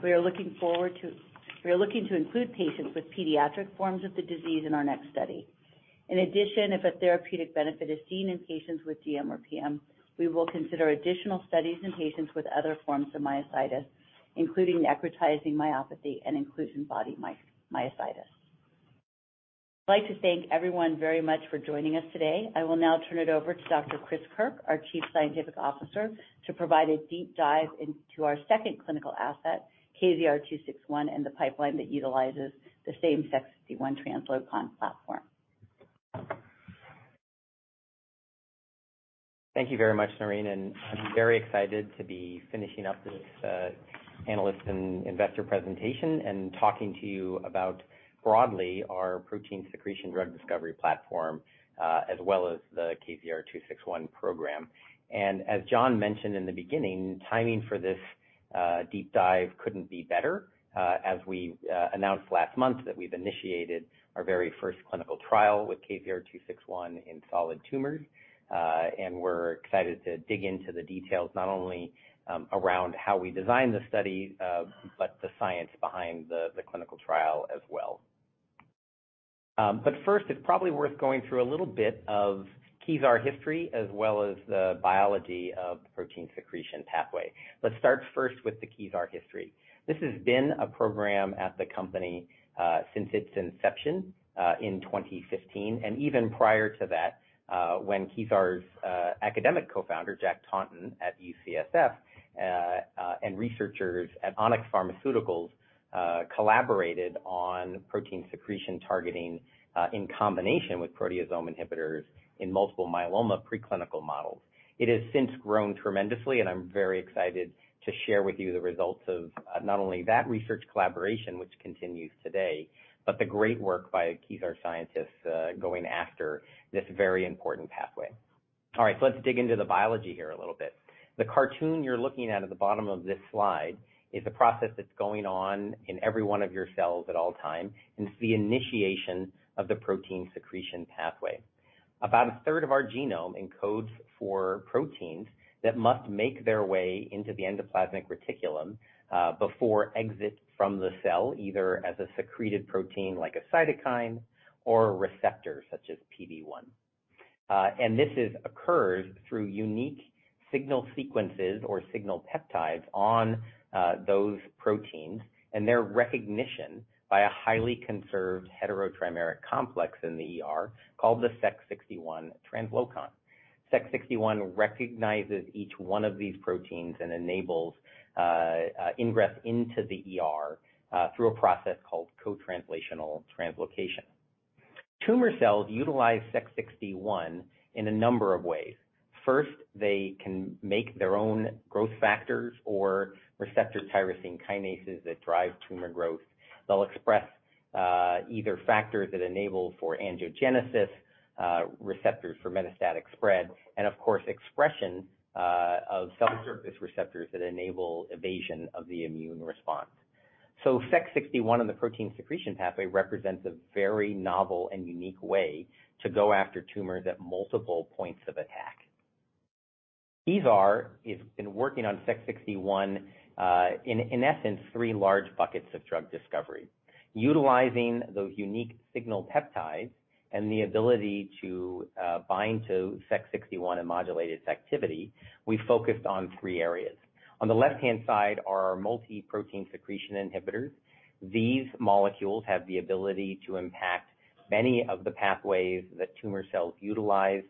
We are looking to include patients with pediatric forms of the disease in our next study. In addition, if a therapeutic benefit is seen in patients with DM or PM, we will consider additional studies in patients with other forms of myositis, including necrotizing myopathy and inclusion body myositis. I'd like to thank everyone very much for joining us today. I will now turn it over to Dr. Christopher Kirk, our Chief Scientific Officer, to provide a deep dive into our second clinical asset, KZR-261, and the pipeline that utilizes the same Sec61 translocon platform. Thank you very much, Noreen, and I'm very excited to be finishing up this, analyst and investor presentation and talking to you about broadly our protein secretion drug discovery platform, as well as the KZR-261 program. As John mentioned in the beginning, timing for this deep dive couldn't be better as we announced last month that we've initiated our very first clinical trial with KZR-261 in solid tumors. We're excited to dig into the details, not only around how we designed the study, but the science behind the clinical trial as well. First, it's probably worth going through a little bit of Kezar history as well as the biology of the protein secretion pathway. Let's start first with the Kezar history. This has been a program at the company since its inception in 2015, and even prior to that, when Kezar's academic co-founder, Jack Taunton at UCSF, and researchers at Onyx Pharmaceuticals collaborated on protein secretion targeting in combination with proteasome inhibitors in multiple myeloma preclinical models. It has since grown tremendously, and I'm very excited to share with you the results of not only that research collaboration which continues today, but the great work by Kezar scientists going after this very important pathway. All right, so let's dig into the biology here a little bit. The cartoon you're looking at at the bottom of this slide is a process that's going on in every one of your cells all the time, and it's the initiation of the protein secretion pathway. About a third of our genome encodes for proteins that must make their way into the endoplasmic reticulum before exit from the cell, either as a secreted protein like a cytokine or a receptor such as PD-1. This occurs through unique signal sequences or signal peptides on those proteins and their recognition by a highly conserved heterotrimeric complex in the ER called the Sec61 translocon. Sec61 recognizes each one of these proteins and enables ingress into the ER through a process called co-translational translocation. Tumor cells utilize Sec61 in a number of ways. First, they can make their own growth factors or receptor tyrosine kinases that drive tumor growth. They'll express either factors that enable angiogenesis, receptors for metastatic spread, and of course, expression of cell surface receptors that enable evasion of the immune response. Sec61 and the protein secretion pathway represents a very novel and unique way to go after tumors at multiple points of attack. Kezar has been working on Sec61, in essence, three large buckets of drug discovery. Utilizing those unique signal peptides and the ability to bind to Sec61 and modulate its activity, we focused on three areas. On the left-hand side are our multi-protein secretion inhibitors. These molecules have the ability to impact many of the pathways that tumor cells utilize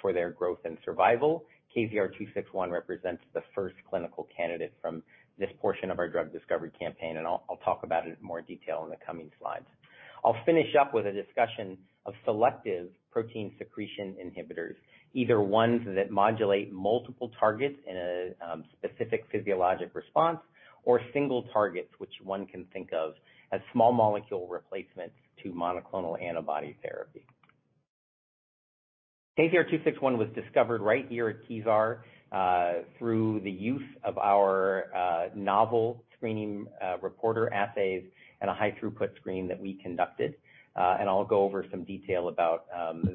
for their growth and survival. KZR-261 represents the first clinical candidate from this portion of our drug discovery campaign, and I'll talk about it in more detail in the coming slides. I'll finish up with a discussion of selective protein secretion inhibitors, either ones that modulate multiple targets in a specific physiologic response or single targets which one can think of as small molecule replacements to monoclonal antibody therapy. KZR-261 was discovered right here at Kezar through the use of our novel screening reporter assays and a high throughput screen that we conducted. And I'll go over some detail about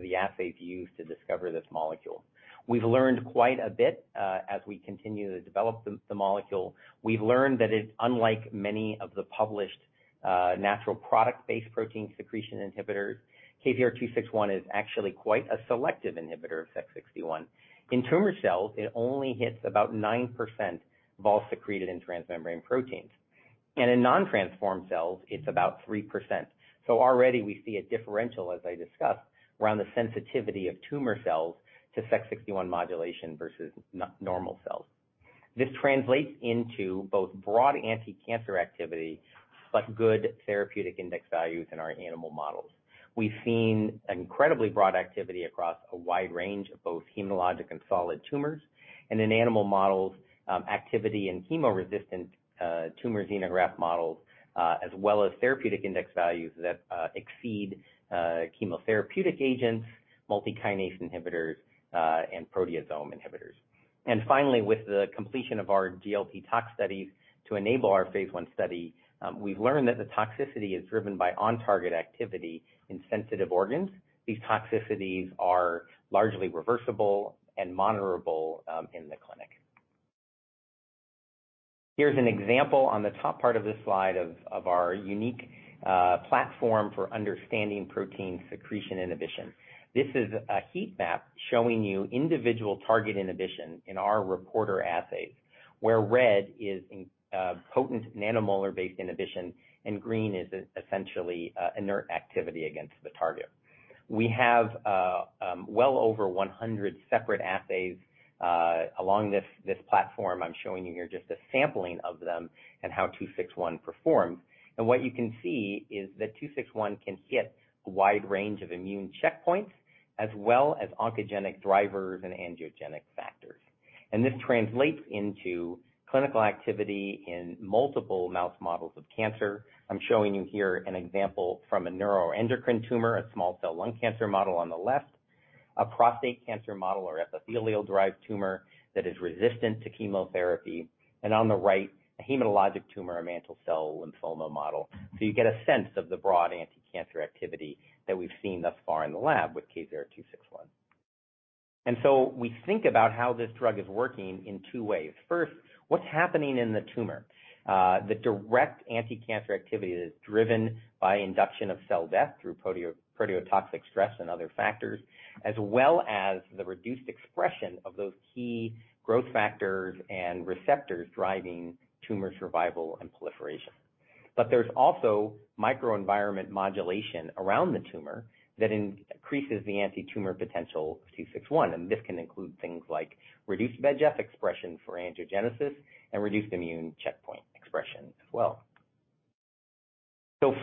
the assays used to discover this molecule. We've learned quite a bit as we continue to develop the molecule. We've learned that it's unlike many of the published natural product-based protein secretion inhibitors. KZR-261 is actually quite a selective inhibitor of Sec61. In tumor cells, it only hits about 9% of all secreted and transmembrane proteins. In non-transformed cells, it's about 3%. Already we see a differential, as I discussed, around the sensitivity of tumor cells to Sec61 modulation versus normal. This translates into both broad anticancer activity, but good therapeutic index values in our animal models. We've seen an incredibly broad activity across a wide range of both hematologic and solid tumors, and in animal models, activity in chemo-resistant tumor xenograft models, as well as therapeutic index values that exceed chemotherapeutic agents, multikinase inhibitors, and proteasome inhibitors. Finally, with the completion of our GLP tox studies to enable our phase I study, we've learned that the toxicity is driven by on-target activity in sensitive organs. These toxicities are largely reversible and monitorable in the clinic. Here's an example on the top part of this slide of our unique platform for understanding protein secretion inhibition. This is a heat map showing you individual target inhibition in our reporter assays, where red indicates potent nanomolar-based inhibition and green is essentially inert activity against the target. We have well over 100 separate assays along this platform. I'm showing you here just a sampling of them and how KZR-261 performs. What you can see is that KZR-261 can hit a wide range of immune checkpoints as well as oncogenic drivers and angiogenic factors. This translates into clinical activity in multiple mouse models of cancer. I'm showing you here an example from a neuroendocrine tumor, a small cell lung cancer model on the left, a prostate cancer model or epithelial-derived tumor that is resistant to chemotherapy, and on the right, a hematologic tumor, a mantle cell lymphoma model. You get a sense of the broad anticancer activity that we've seen thus far in the lab with KZR-261. We think about how this drug is working in two ways. First, what's happening in the tumor? The direct anticancer activity is driven by induction of cell death through proteotoxic stress and other factors, as well as the reduced expression of those key growth factors and receptors driving tumor survival and proliferation. There's also microenvironment modulation around the tumor that increases the antitumor potential of 261, and this can include things like reduced VEGF expression for angiogenesis and reduced immune checkpoint expression as well.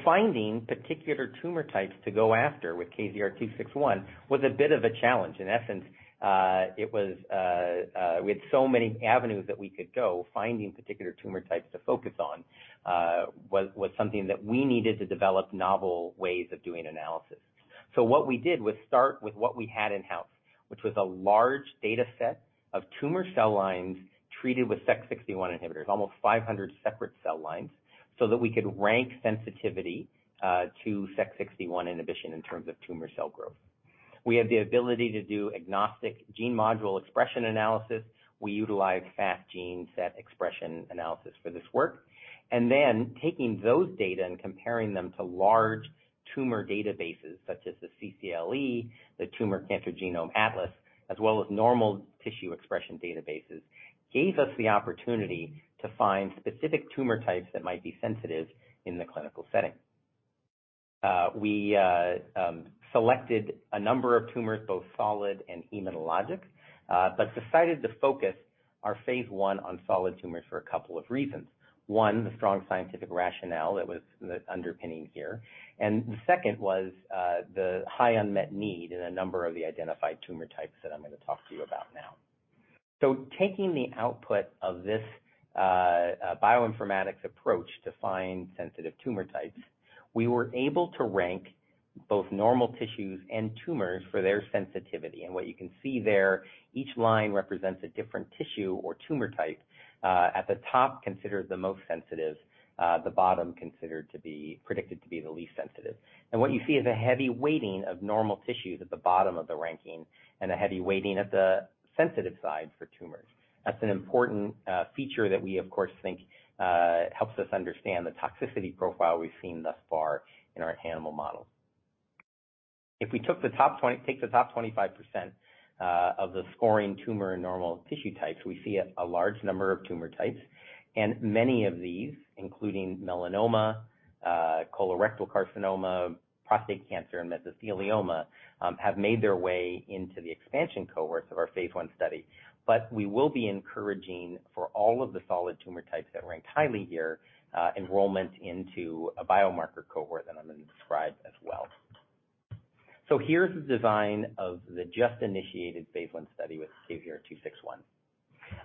Finding particular tumor types to go after with KZR-261 was a bit of a challenge. In essence, it was we had so many avenues that we could go, finding particular tumor types to focus on was something that we needed to develop novel ways of doing analysis. What we did was start with what we had in-house, which was a large dataset of tumor cell lines treated with Sec61 inhibitors, almost 500 separate cell lines, so that we could rank sensitivity to Sec61 inhibition in terms of tumor cell growth. We had the ability to do agnostic gene module expression analysis. We utilized fast gene set enrichment analysis for this work. Taking those data and comparing them to large tumor databases such as the CCLE, The Cancer Genome Atlas, as well as normal tissue expression databases, gave us the opportunity to find specific tumor types that might be sensitive in the clinical setting. We selected a number of tumors, both solid and hematologic, but decided to focus our phase I on solid tumors for a couple of reasons. One, the strong scientific rationale that was the underpinning here, and the second was, the high unmet need in a number of the identified tumor types that I'm gonna talk to you about now. Taking the output of this, bioinformatics approach to find sensitive tumor types, we were able to rank both normal tissues and tumors for their sensitivity. What you can see there, each line represents a different tissue or tumor type, at the top considered the most sensitive, the bottom considered to be predicted to be the least sensitive. What you see is a heavy weighting of normal tissues at the bottom of the ranking and a heavy weighting at the sensitive side for tumors. That's an important feature that we of course think helps us understand the toxicity profile we've seen thus far in our animal model. Take the top 25% of the scoring tumor and normal tissue types, we see a large number of tumor types, and many of these, including melanoma, colorectal carcinoma, prostate cancer, and mesothelioma, have made their way into the expansion cohorts of our phase I study. We will be encouraging for all of the solid tumor types that ranked highly here enrollment into a biomarker cohort that I'm going to describe as well. Here's the design of the just initiated phase I study with KZR-261.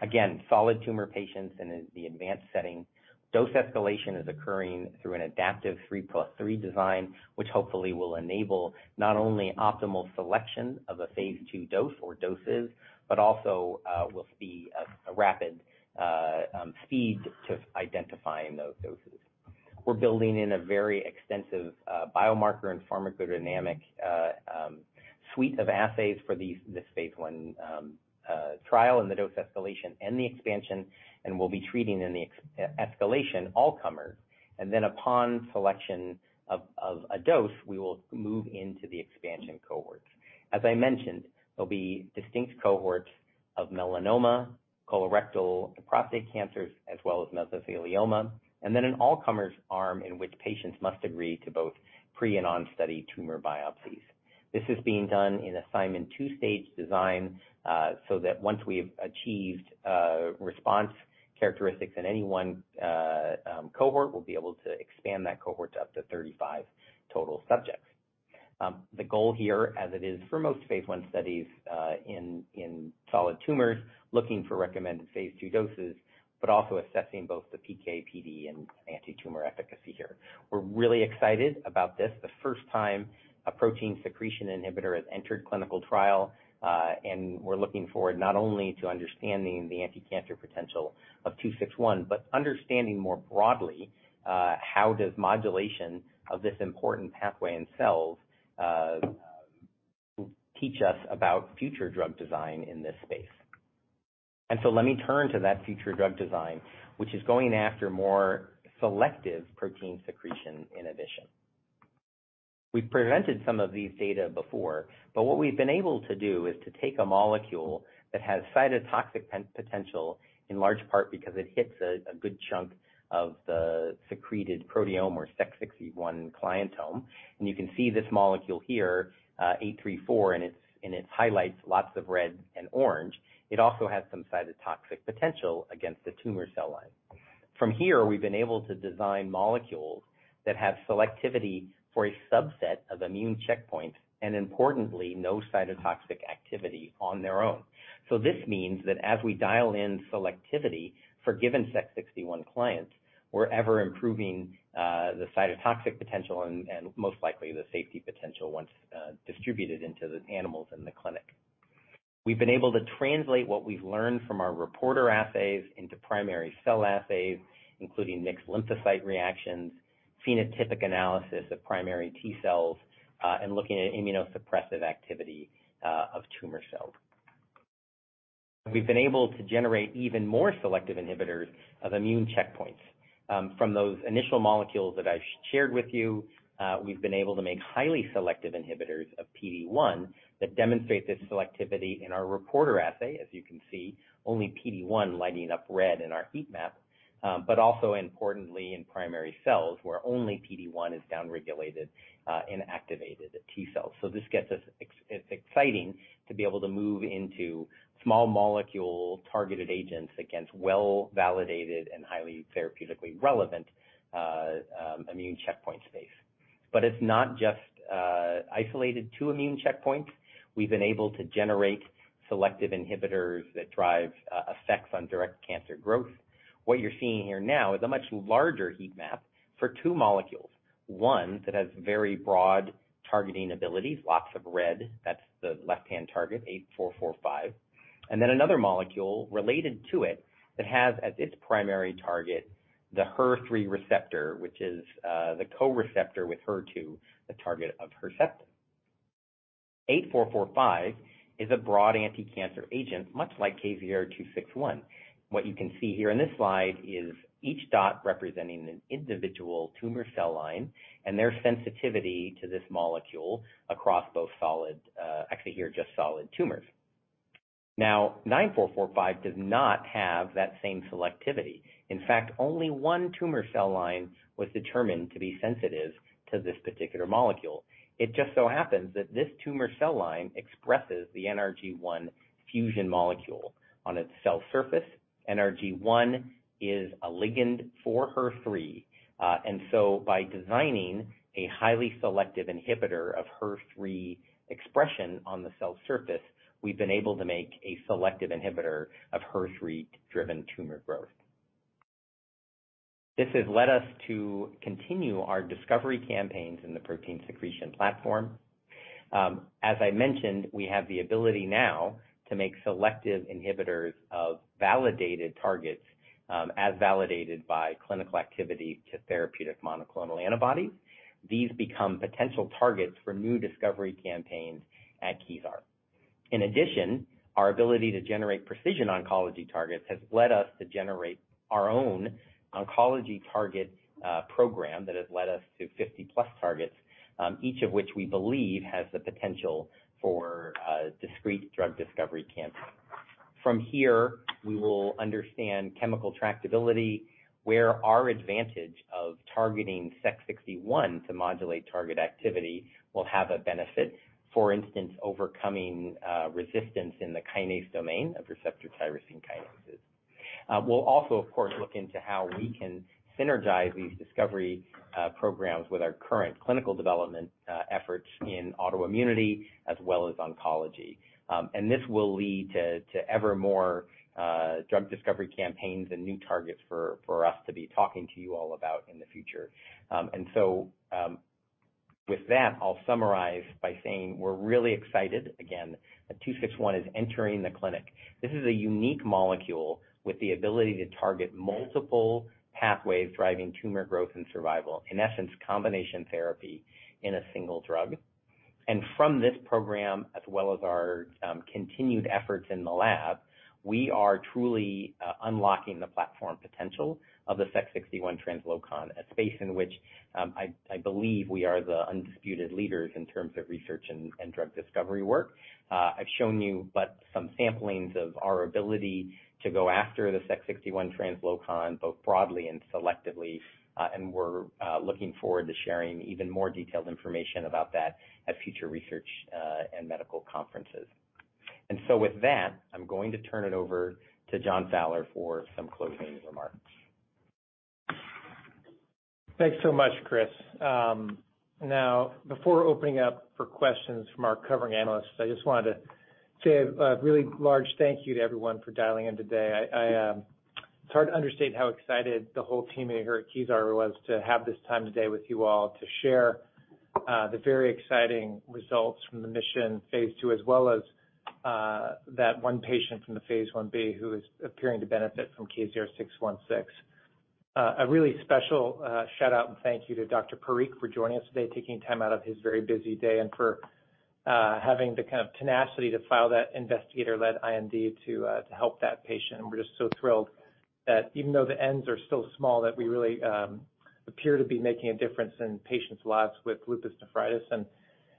Again, solid tumor patients in the advanced setting. Dose escalation is occurring through an adaptive 3+3 design, which hopefully will enable not only optimal selection of a phase II dose or doses, but also will be a rapid speed to identifying those doses. We're building in a very extensive biomarker and pharmacodynamic suite of assays for this phase I trial and the dose escalation and the expansion, and we'll be treating in the escalation all comers. Upon selection of a dose, we will move into the expansion cohorts. As I mentioned, there'll be distinct cohorts of melanoma, colorectal, prostate cancers, as well as mesothelioma, and then an all-comers arm in which patients must agree to both pre and on-study tumor biopsies. This is being done in Simon two-stage design, so that once we've achieved response characteristics in any one cohort, we'll be able to expand that cohort to up to 35 total subjects. The goal here, as it is for most phase I studies in solid tumors, looking for recommended phase II doses, but also assessing both the PK/PD and anti-tumor efficacy here. We're really excited about this. The first time a protein secretion inhibitor has entered clinical trial, and we're looking forward not only to understanding the anticancer potential of two-six-one, but understanding more broadly, how does modulation of this important pathway in cells, teach us about future drug design in this space. Let me turn to that future drug design, which is going after more selective protein secretion inhibition. We've presented some of these data before, but what we've been able to do is to take a molecule that has cytotoxic potential, in large part because it hits a good chunk of the secreted proteome or Sec61 clientome. You can see this molecule here, eight-three-four, in its highlights, lots of red and orange. It also has some cytotoxic potential against the tumor cell line. From here, we've been able to design molecules that have selectivity for a subset of immune checkpoints, and importantly, no cytotoxic activity on their own. This means that as we dial in selectivity for given Sec61 clients, we're ever improving the cytotoxic potential and most likely the safety potential once distributed into the animals in the clinic. We've been able to translate what we've learned from our reporter assays into primary cell assays, including mixed lymphocyte reactions, phenotypic analysis of primary T cells, and looking at immunosuppressive activity of tumor cells. We've been able to generate even more selective inhibitors of immune checkpoints. From those initial molecules that I've shared with you, we've been able to make highly selective inhibitors of PD-1 that demonstrate this selectivity in our reporter assay. As you can see, only PD-1 lighting up red in our heat map. Also importantly in primary cells, where only PD-1 is downregulated in activated T cells. This gets us. It's exciting to be able to move into small molecule targeted agents against well-validated and highly therapeutically relevant immune checkpoint space. It's not just isolated to immune checkpoints. We've been able to generate selective inhibitors that drive effects on direct cancer growth. What you're seeing here now is a much larger heat map for two molecules, one that has very broad targeting abilities, lots of red. That's the left-hand target, KZR-8445. Then another molecule related to it that has, as its primary target, the HER3 receptor, which is the co-receptor with HER2, the target of Herceptin. KZR-8445 is a broad anticancer agent, much like KZR-261. What you can see here in this slide is each dot representing an individual tumor cell line and their sensitivity to this molecule across just solid tumors. Now, KZR-9445 does not have that same selectivity. In fact, only one tumor cell line was determined to be sensitive to this particular molecule. It just so happens that this tumor cell line expresses the NRG1 fusion molecule on its cell surface. NRG1 is a ligand for HER3. By designing a highly selective inhibitor of HER3 expression on the cell surface, we've been able to make a selective inhibitor of HER3-driven tumor growth. This has led us to continue our discovery campaigns in the protein secretion platform. As I mentioned, we have the ability now to make selective inhibitors of validated targets, as validated by clinical activity to therapeutic monoclonal antibodies. These become potential targets for new discovery campaigns at Kezar. In addition, our ability to generate precision oncology targets has led us to generate our own oncology target program that has led us to 50+ targets, each of which we believe has the potential for discrete drug discovery campaigns. From here, we will understand chemical tractability, where our advantage of targeting Sec61 to modulate target activity will have a benefit. For instance, overcoming resistance in the kinase domain of receptor tyrosine kinases. We'll also, of course, look into how we can synergize these discovery programs with our current clinical development efforts in autoimmunity as well as oncology. This will lead to ever more drug discovery campaigns and new targets for us to be talking to you all about in the future. With that, I'll summarize by saying we're really excited. Again, that 261 is entering the clinic. This is a unique molecule with the ability to target multiple pathways driving tumor growth and survival, in essence, combination therapy in a single drug. From this program, as well as our continued efforts in the lab, we are truly unlocking the platform potential of the Sec61 translocon, a space in which I believe we are the undisputed leaders in terms of research and drug discovery work. I've shown you but some samplings of our ability to go after the Sec61 translocon, both broadly and selectively. We're looking forward to sharing even more detailed information about that at future research and medical conferences. With that, I'm going to turn it over to John Fowler for some closing remarks. Thanks so much, Chris. Now, before opening up for questions from our covering analysts, I just wanted to say a really large thank you to everyone for dialing in today. It's hard to understate how excited the whole team here at Kezar was to have this time today with you all to share the very exciting results from the MISSION phase II, as well as that one patient from the phase Ib who is appearing to benefit from KZR-616. A really special shout out and thank you to Dr. Parikh for joining us today, taking time out of his very busy day, and for having the kind of tenacity to file that investigator-led IND to help that patient. We're just so thrilled that even though the n's are still small, that we really appear to be making a difference in patients' lives with lupus nephritis.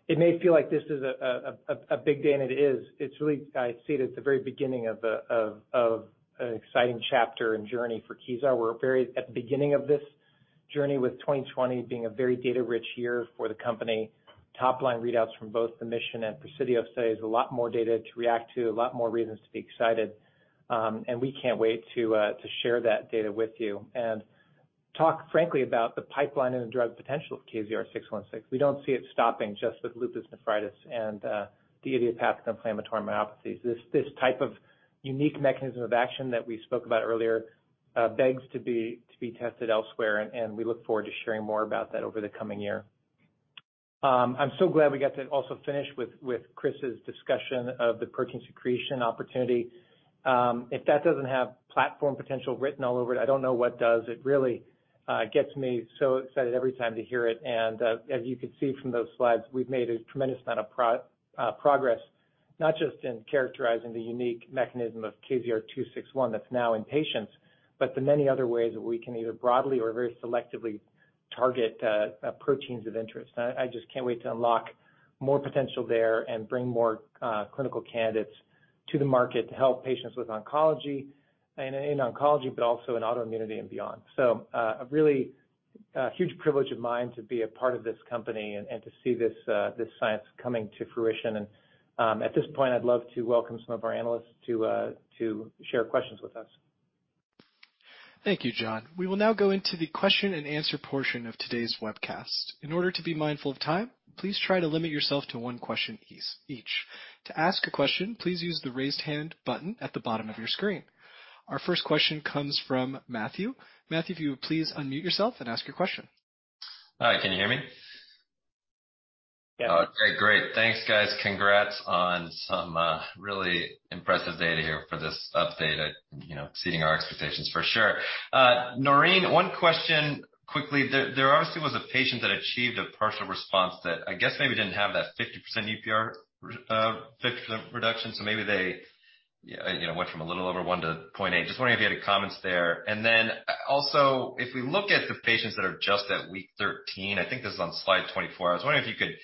It may feel like this is a big day, and it is. It's really, I see it at the very beginning of an exciting chapter and journey for Kezar. We're very at the beginning of this journey with 2020 being a very data-rich year for the company. Top line readouts from both the MISSION and PRESIDIO studies. A lot more data to react to, a lot more reasons to be excited. We can't wait to share that data with you and talk frankly about the pipeline and the drug potential of KZR-616. We don't see it stopping just with lupus nephritis and the idiopathic inflammatory myopathies. This type of unique mechanism of action that we spoke about earlier begs to be tested elsewhere, and we look forward to sharing more about that over the coming year. I'm so glad we got to also finish with Chris's discussion of the protein secretion opportunity. If that doesn't have platform potential written all over it, I don't know what does. It really gets me so excited every time to hear it. As you can see from those slides, we've made a tremendous amount of progress, not just in characterizing the unique mechanism of KZR-261 that's now in patients, but the many other ways that we can either broadly or very selectively target proteins of interest. I just can't wait to unlock more potential there and bring more clinical candidates to the market to help patients with oncology. In oncology, but also in autoimmunity and beyond. A really huge privilege of mine to be a part of this company and to see this science coming to fruition. At this point, I'd love to welcome some of our analysts to share questions with us. Thank you, John. We will now go into the question-and answer portion of today's webcast. In order to be mindful of time, please try to limit yourself to one question, please, each. To ask a question, please use the raise hand button at the bottom of your screen. Our first question comes from Matthew. Matthew, if you would please unmute yourself and ask your question. Hi, can you hear me? Yeah. Okay, great. Thanks, guys. Congrats on some really impressive data here for this update. You know, exceeding our expectations for sure. Noreen, one question quickly. There obviously was a patient that achieved a partial response that I guess maybe didn't have that 50% UPCR, 50% reduction, so maybe they, you know, went from a little over one to 0.8. Just wondering if you had any comments there. If we look at the patients that are just at week 13, I think this is on slide 24. I was wondering if you could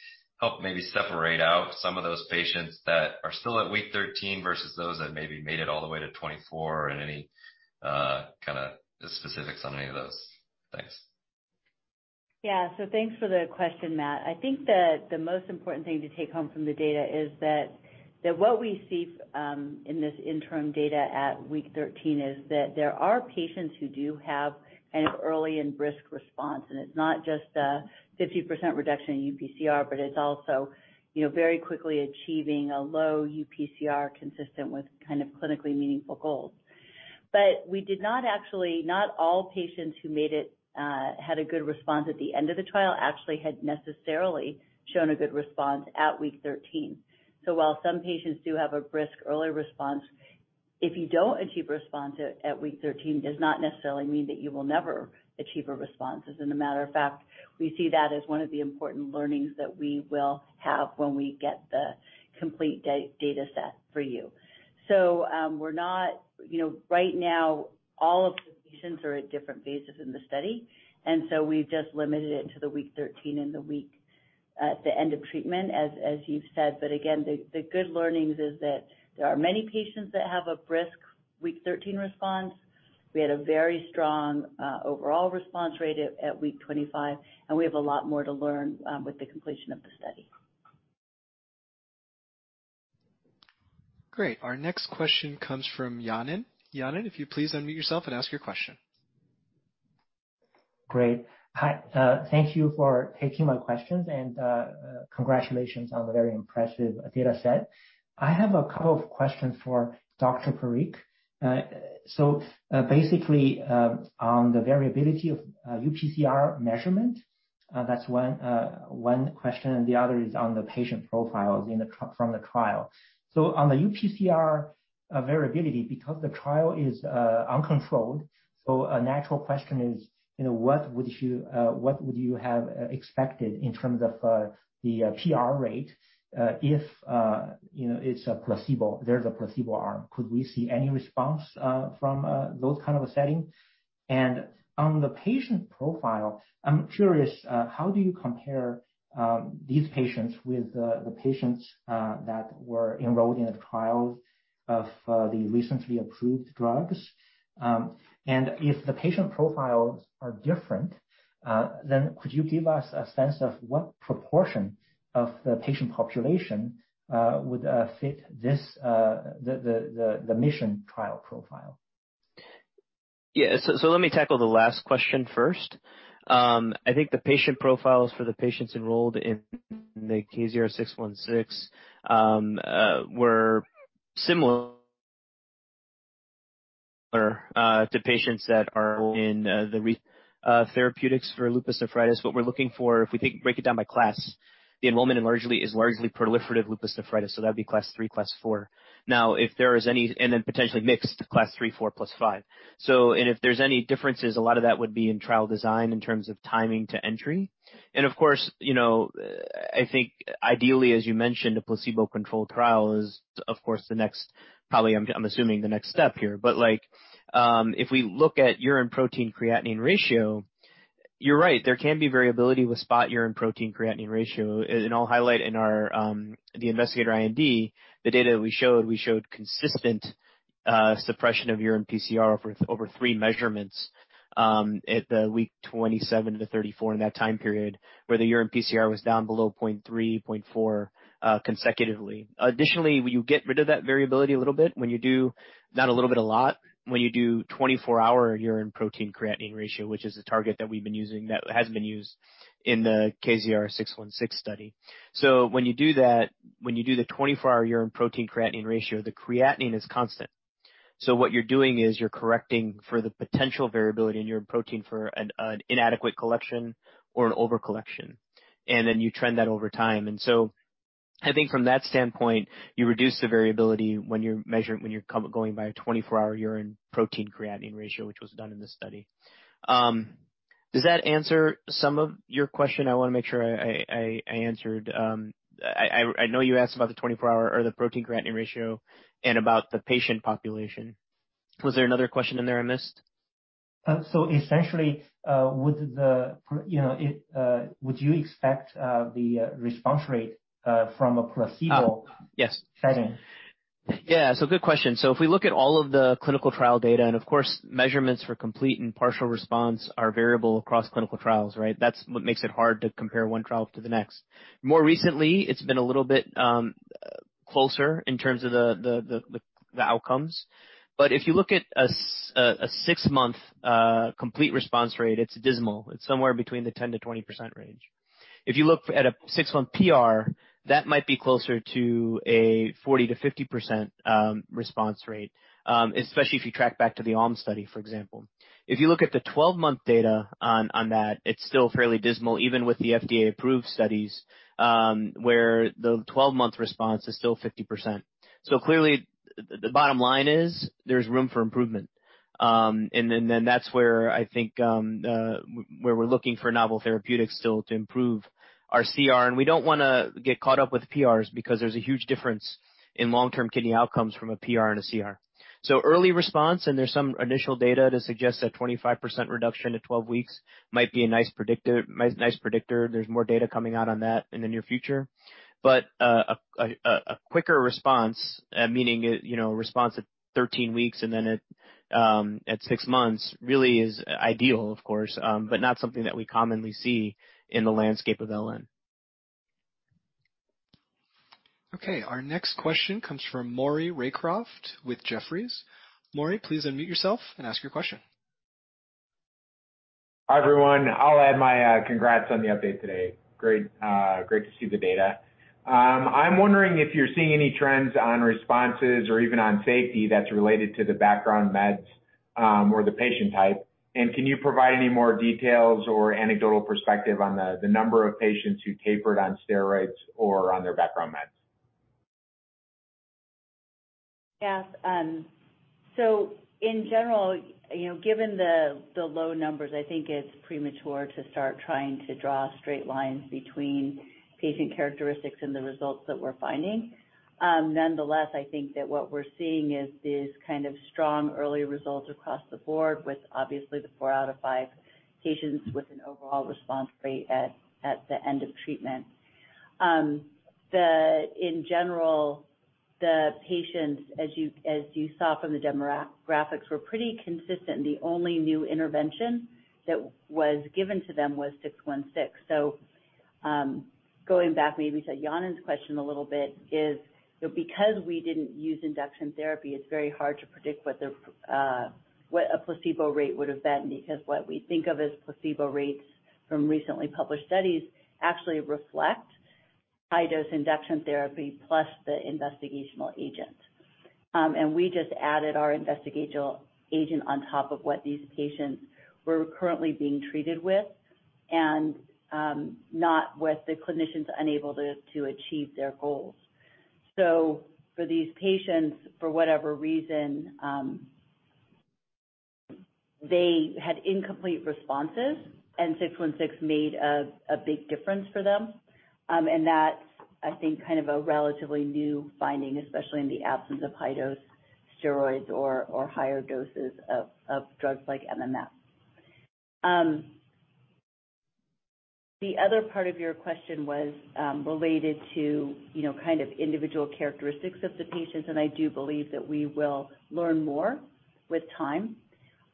help maybe separate out some of those patients that are still at week 13 versus those that maybe made it all the way to 24 and any kind of specifics on any of those. Thanks. Yeah. Thanks for the question, Matt. I think the most important thing to take home from the data is that what we see in this interim data at week 13 is that there are patients who do have kind of early and brisk response. It's not just a 50% reduction in UPCR, but it's also, you know, very quickly achieving a low UPCR consistent with kind of clinically meaningful goals. Not all patients who made it had a good response at the end of the trial actually had necessarily shown a good response at week 13. While some patients do have a brisk early response, if you don't achieve response at week 13, does not necessarily mean that you will never achieve a response. As a matter of fact, we see that as one of the important learnings that we will have when we get the complete data set for you. You know, right now all of the patients are at different phases in the study, and we've just limited it to the week 13 and the week at the end of treatment, as you've said. But again, the good learnings is that there are many patients that have a brisk week 13 response. We had a very strong overall response rate at week 25, and we have a lot more to learn with the completion of the study. Great. Our next question comes from Yanan. Yanan, if you'd please unmute yourself and ask your question. Great. Hi, thank you for taking my questions, and congratulations on the very impressive data set. I have a couple of questions for Dr. Parikh. Basically, on the variability of UPCR measurement, that's one question, and the other is on the patient profiles from the trial. On the UPCR variability, because the trial is uncontrolled, a natural question is, you know, what would you have expected in terms of the PR rate, if you know, it's a placebo, there's a placebo arm. Could we see any response from those kind of a setting? On the patient profile, I'm curious how do you compare these patients with the patients that were enrolled in the trials of the recently approved drugs. If the patient profiles are different, then could you give us a sense of what proportion of the patient population would fit the MISSION trial profile? Let me tackle the last question first. I think the patient profiles for the patients enrolled in the KZR-616 were similar to patients that are in the real-world therapeutics for lupus nephritis. What we're looking for, if we break it down by class, the enrollment is largely proliferative lupus nephritis, so that'd be class 3, class 4. And then potentially mixed class 3, 4, plus 5. If there's any differences, a lot of that would be in trial design in terms of timing to entry. Of course, you know, I think ideally, as you mentioned, a placebo-controlled trial is, of course, probably, I'm assuming, the next step here. But like, if we look at urine protein creatinine ratio, you're right. There can be variability with spot urine protein creatinine ratio. I'll highlight in our, the investigator IND, the data that we showed, we showed consistent suppression of urine PCR over three measurements, at the week 27 to 34, in that time period, where the urine PCR was down below 0.3, 0.4 consecutively. Additionally, you get rid of that variability a little bit when you do not a little bit, a lot, when you do 24-hour urine protein creatinine ratio, which is the target that we've been using that has been used in the KZR-616 study. When you do that, when you do the 24-hour urine protein creatinine ratio, the creatinine is constant. What you're doing is you're correcting for the potential variability in urine protein for an inadequate collection or an overcollection, and then you trend that over time. I think from that standpoint, you reduce the variability when you're going by a 24-hour urine protein creatinine ratio, which was done in this study. Does that answer some of your question? I wanna make sure I answered. I know you asked about the 24-hour or the protein creatinine ratio and about the patient population. Was there another question in there I missed? Essentially, you know, would you expect the response rate from a placebo- Oh, yes. -setting? Yeah. Good question. If we look at all of the clinical trial data, and of course, measurements for complete and partial response are variable across clinical trials, right? That's what makes it hard to compare one trial to the next. More recently, it's been a little bit closer in terms of the outcomes. If you look at a six-month complete response rate, it's dismal. It's somewhere between the 10%-20% range. If you look at a six-month PR, that might be closer to a 40%-50% response rate, especially if you track back to the ALMS study, for example. If you look at the twelve-month data on that, it's still fairly dismal, even with the FDA-approved studies, where the twelve-month response is still 50%. Clearly, the bottom line is there's room for improvement. That's where I think we're looking for novel therapeutics still to improve our CR. We don't wanna get caught up with PRs because there's a huge difference in long-term kidney outcomes from a PR and a CR. Early response, and there's some initial data to suggest that 25% reduction to 12 weeks might be a nice predictor. There's more data coming out on that in the near future. A quicker response, meaning, you know, a response at 13 weeks and then at 6 months really is ideal, of course, but not something that we commonly see in the landscape of LN. Okay. Our next question comes from Maury Raycroft with Jefferies. Maury, please unmute yourself and ask your question. Hi, everyone. I'll add my congrats on the update today. Great to see the data. I'm wondering if you're seeing any trends on responses or even on safety that's related to the background meds or the patient type. Can you provide any more details or anecdotal perspective on the number of patients who tapered on steroids or on their background meds? Yes. So in general, you know, given the low numbers, I think it's premature to start trying to draw straight lines between patient characteristics and the results that we're finding. Nonetheless, I think that what we're seeing is these kinds of strong early results across the board with obviously the 4 out of 5 patients with an overall response rate at the end of treatment. In general, the patients, as you saw from the demographics, were pretty consistent. The only new intervention that was given to them was KZR-616. Going back maybe to Yanan's question a little bit, you know, because we didn't use induction therapy, it's very hard to predict what a placebo rate would have been, because what we think of as placebo rates from recently published studies actually reflect high-dose induction therapy plus the investigational agent. We just added our investigational agent on top of what these patients were currently being treated with and not with the clinicians unable to achieve their goals. For these patients, for whatever reason, they had incomplete responses, and KZR-616 made a big difference for them. That's, I think, kind of a relatively new finding, especially in the absence of high-dose steroids or higher doses of drugs like MMF. The other part of your question was related to, you know, kind of individual characteristics of the patients, and I do believe that we will learn more with time.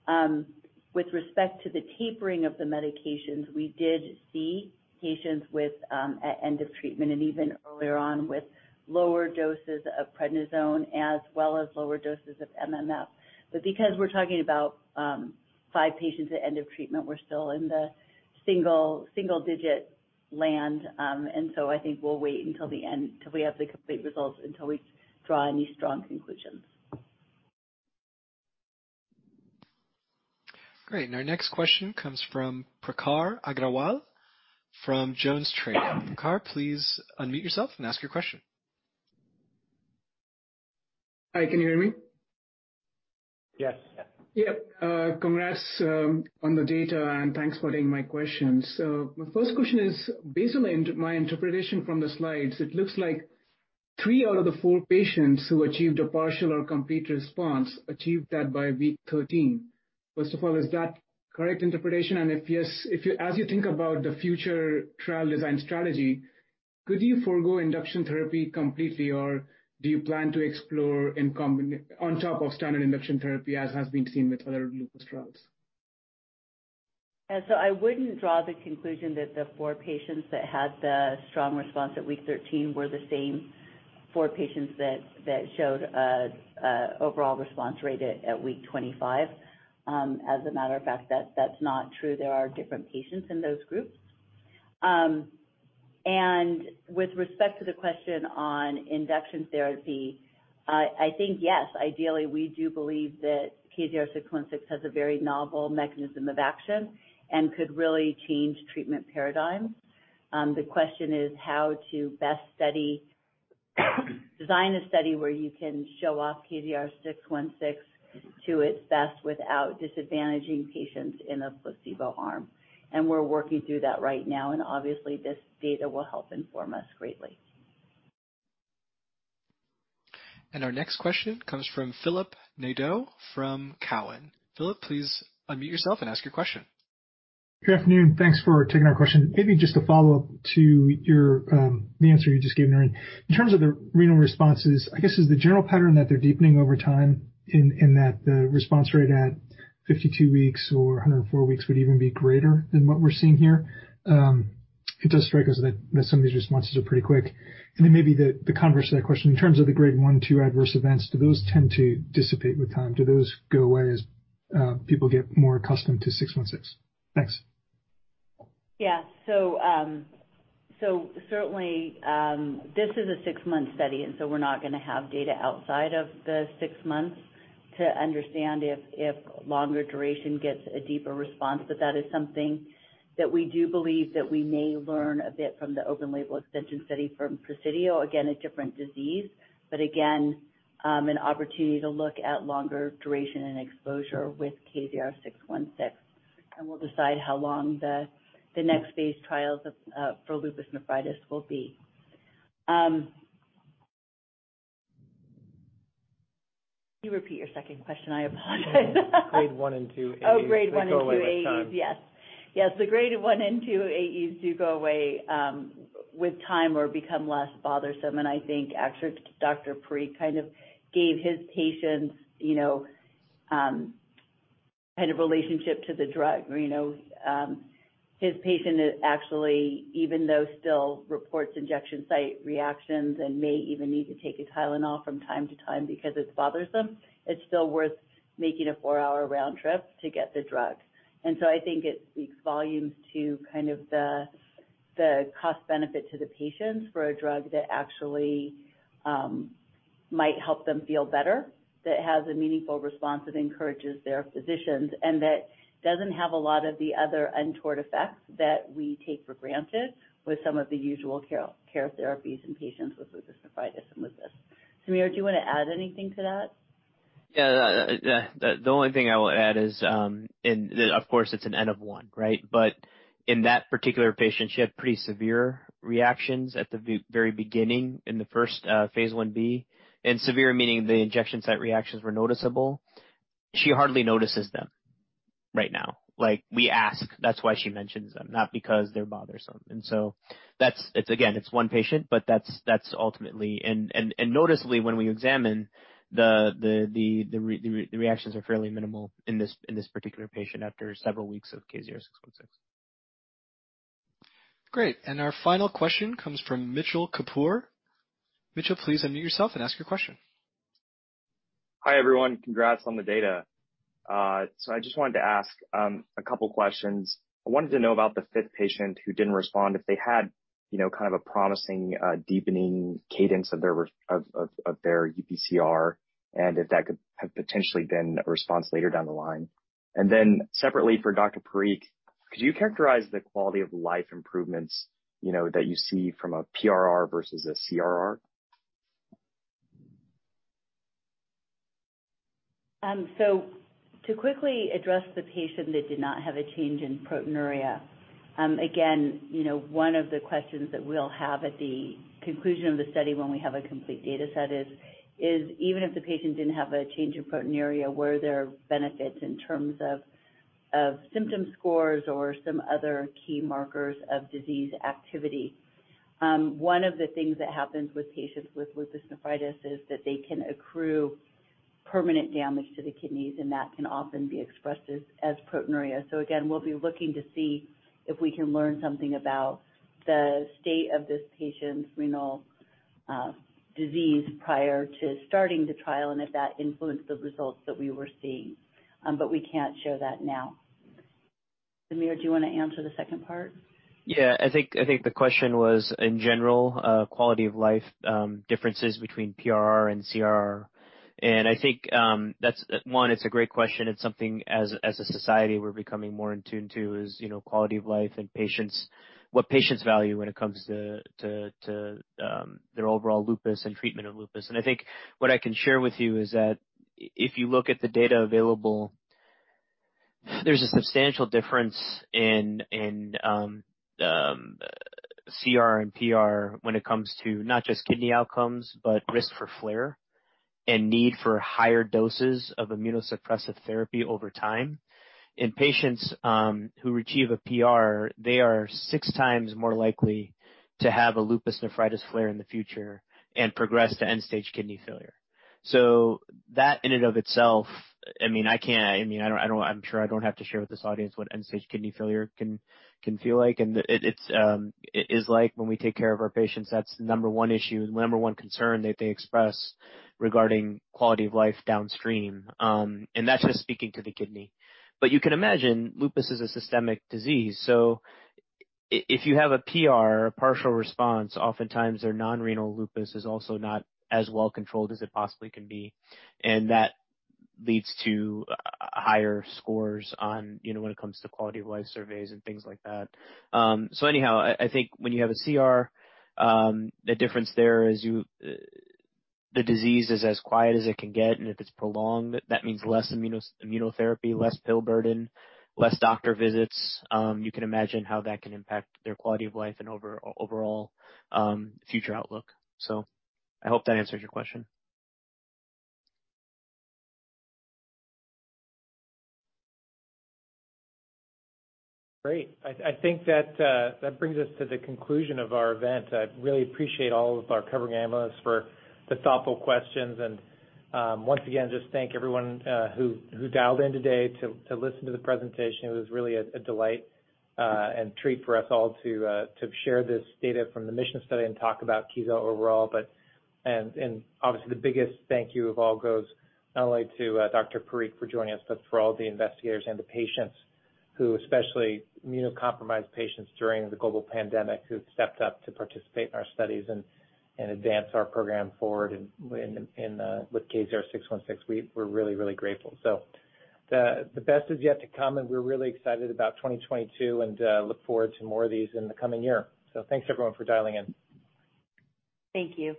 With respect to the tapering of the medications, we did see patients with at end of treatment and even earlier on with lower doses of prednisone as well as lower doses of MMF. Because we're talking about 5 patients at end of treatment, we're still in the single digit land. I think we'll wait until the end, till we have the complete results, until we draw any strong conclusions. Great. Our next question comes from Prakhar Agrawal from JonesTrading. Prakhar, please unmute yourself and ask your question. Hi, can you hear me? Yes. Yep. Congrats on the data, and thanks for taking my questions. My first question is, based on my interpretation from the slides, it looks like 3 out of the 4 patients who achieved a partial or complete response achieved that by week 13. First of all, is that correct interpretation? If yes, as you think about the future trial design strategy, could you forgo induction therapy completely, or do you plan to explore on top of standard induction therapy, as has been seen with other lupus trials? I wouldn't draw the conclusion that the four patients that had the strong response at week 13 were the same four patients that showed an overall response rate at week 25. As a matter of fact, that's not true. There are different patients in those groups. With respect to the question on induction therapy, I think, yes. Ideally, we do believe that KZR-616 has a very novel mechanism of action and could really change treatment paradigms. The question is how to best design a study where you can show off KZR-616 to its best without disadvantaging patients in a placebo arm. We're working through that right now, and obviously, this data will help inform us greatly. Our next question comes from Philip Nadeau from Cowen. Philip, please unmute yourself and ask your question. Good afternoon. Thanks for taking our question. Maybe just a follow-up to your, the answer you just gave, Noreen. In terms of the renal responses, I guess, is the general pattern that they're deepening over time in that the response rate at 52 weeks or 104 weeks would even be greater than what we're seeing here? It does strike us that some of these responses are pretty quick. Maybe the converse to that question, in terms of the grade 1 and 2 adverse events, do those tend to dissipate with time? Do those go away as people get more accustomed to six-one-six? Thanks. Certainly, this is a six-month study, and so we're not gonna have data outside of the six months to understand if longer duration gets a deeper response. That is something that we do believe that we may learn a bit from the open-label extension study from PRESIDIO. Again, a different disease, but again, an opportunity to look at longer duration and exposure with KZR-616. We'll decide how long the next phase trials for lupus nephritis will be. Can you repeat your second question? I apologize. Grade 1 and 2 AEs Oh, Grade 1 and 2 AEs. They go away with time. Yes. The grade one and two AEs do go away with time or become less bothersome. I think actually Dr. Parikh kind of gave his patients you know kind of relationship to the drug. You know, his patient is actually even though still reports injection site reactions and may even need to take his Tylenol from time to time because it bothers him, it's still worth making a four-hour round trip to get the drug. I think it speaks volumes to kind of the cost benefit to the patients for a drug that actually might help them feel better, that has a meaningful response that encourages their physicians, and that doesn't have a lot of the other untoward effects that we take for granted with some of the usual care therapies in patients with lupus nephritis and lupus. Samir, do you wanna add anything to that? Yeah. The only thing I will add is, of course, it's an N of one, right? But in that particular patient, she had pretty severe reactions at the very beginning in the first phase Ib. Severe meaning the injection site reactions were noticeable. She hardly notices them right now. Like we ask, that's why she mentions them, not because they're bothersome. That's-- it's again, it's one patient, but that's ultimately. Noticeably when we examine the reactions are fairly minimal in this particular patient after several weeks of KZR-616. Great. Our final question comes from Mitchell Kapoor. Mitchell, please unmute yourself and ask your question. Hi, everyone. Congrats on the data. I just wanted to ask a couple questions. I wanted to know about the fifth patient who didn't respond, if they had, you know, kind of a promising deepening cadence of their UPCR and if that could have potentially been a response later down the line. Separately for Dr. Parikh, could you characterize the quality of life improvements, you know, that you see from a PRR versus a CRR? To quickly address the patient that did not have a change in proteinuria, again, you know, one of the questions that we'll have at the conclusion of the study when we have a complete data set is even if the patient didn't have a change in proteinuria, were there benefits in terms of symptom scores or some other key markers of disease activity? One of the things that happens with patients with lupus nephritis is that they can accrue permanent damage to the kidneys, and that can often be expressed as proteinuria. Again, we'll be looking to see if we can learn something about the state of this patient's renal disease prior to starting the trial and if that influenced the results that we were seeing. We can't show that now. Samir, do you wanna answer the second part? Yeah. I think the question was in general quality of life differences between PRR and CRR. I think that's one. It's a great question. It's something as a society we're becoming more in tune to is, you know, quality of life and patients, what patients value when it comes to their overall lupus and treatment of lupus. I think what I can share with you is that if you look at the data available, there's a substantial difference in CR and PR when it comes to not just kidney outcomes, but risk for flare and need for higher doses of immunosuppressive therapy over time. In patients who achieve a PR, they are six times more likely to have a lupus nephritis flare in the future and progress to end stage kidney failure. That in and of itself, I'm sure I don't have to share with this audience what end stage kidney failure can feel like. It is like when we take care of our patients, that's the number one issue and number one concern that they express regarding quality of life downstream. That's just speaking to the kidney. You can imagine lupus is a systemic disease, so if you have a PR, a partial response, oftentimes their non-renal lupus is also not as well controlled as it possibly can be, and that leads to higher scores on, you know, when it comes to quality of life surveys and things like that. I think when you have a CR, the difference there is the disease is as quiet as it can get, and if it's prolonged, that means less immunosuppressive immunotherapy, less pill burden, less doctor visits. You can imagine how that can impact their quality of life and overall future outlook. I hope that answers your question. Great. I think that brings us to the conclusion of our event. I really appreciate all of our covering analysts for the thoughtful questions. Once again, just thank everyone who dialed in today to listen to the presentation. It was really a delight and treat for us all to share this data from the MISSION study and talk about Kezar overall. Obviously, the biggest thank you of all goes not only to Dr. Parikh for joining us, but for all the investigators and the patients, especially immunocompromised patients during the global pandemic, who've stepped up to participate in our studies and advance our program forward in with KZR-616. We're really grateful. The best is yet to come, and we're really excited about 2022 and look forward to more of these in the coming year. Thanks everyone for dialing in. Thank you.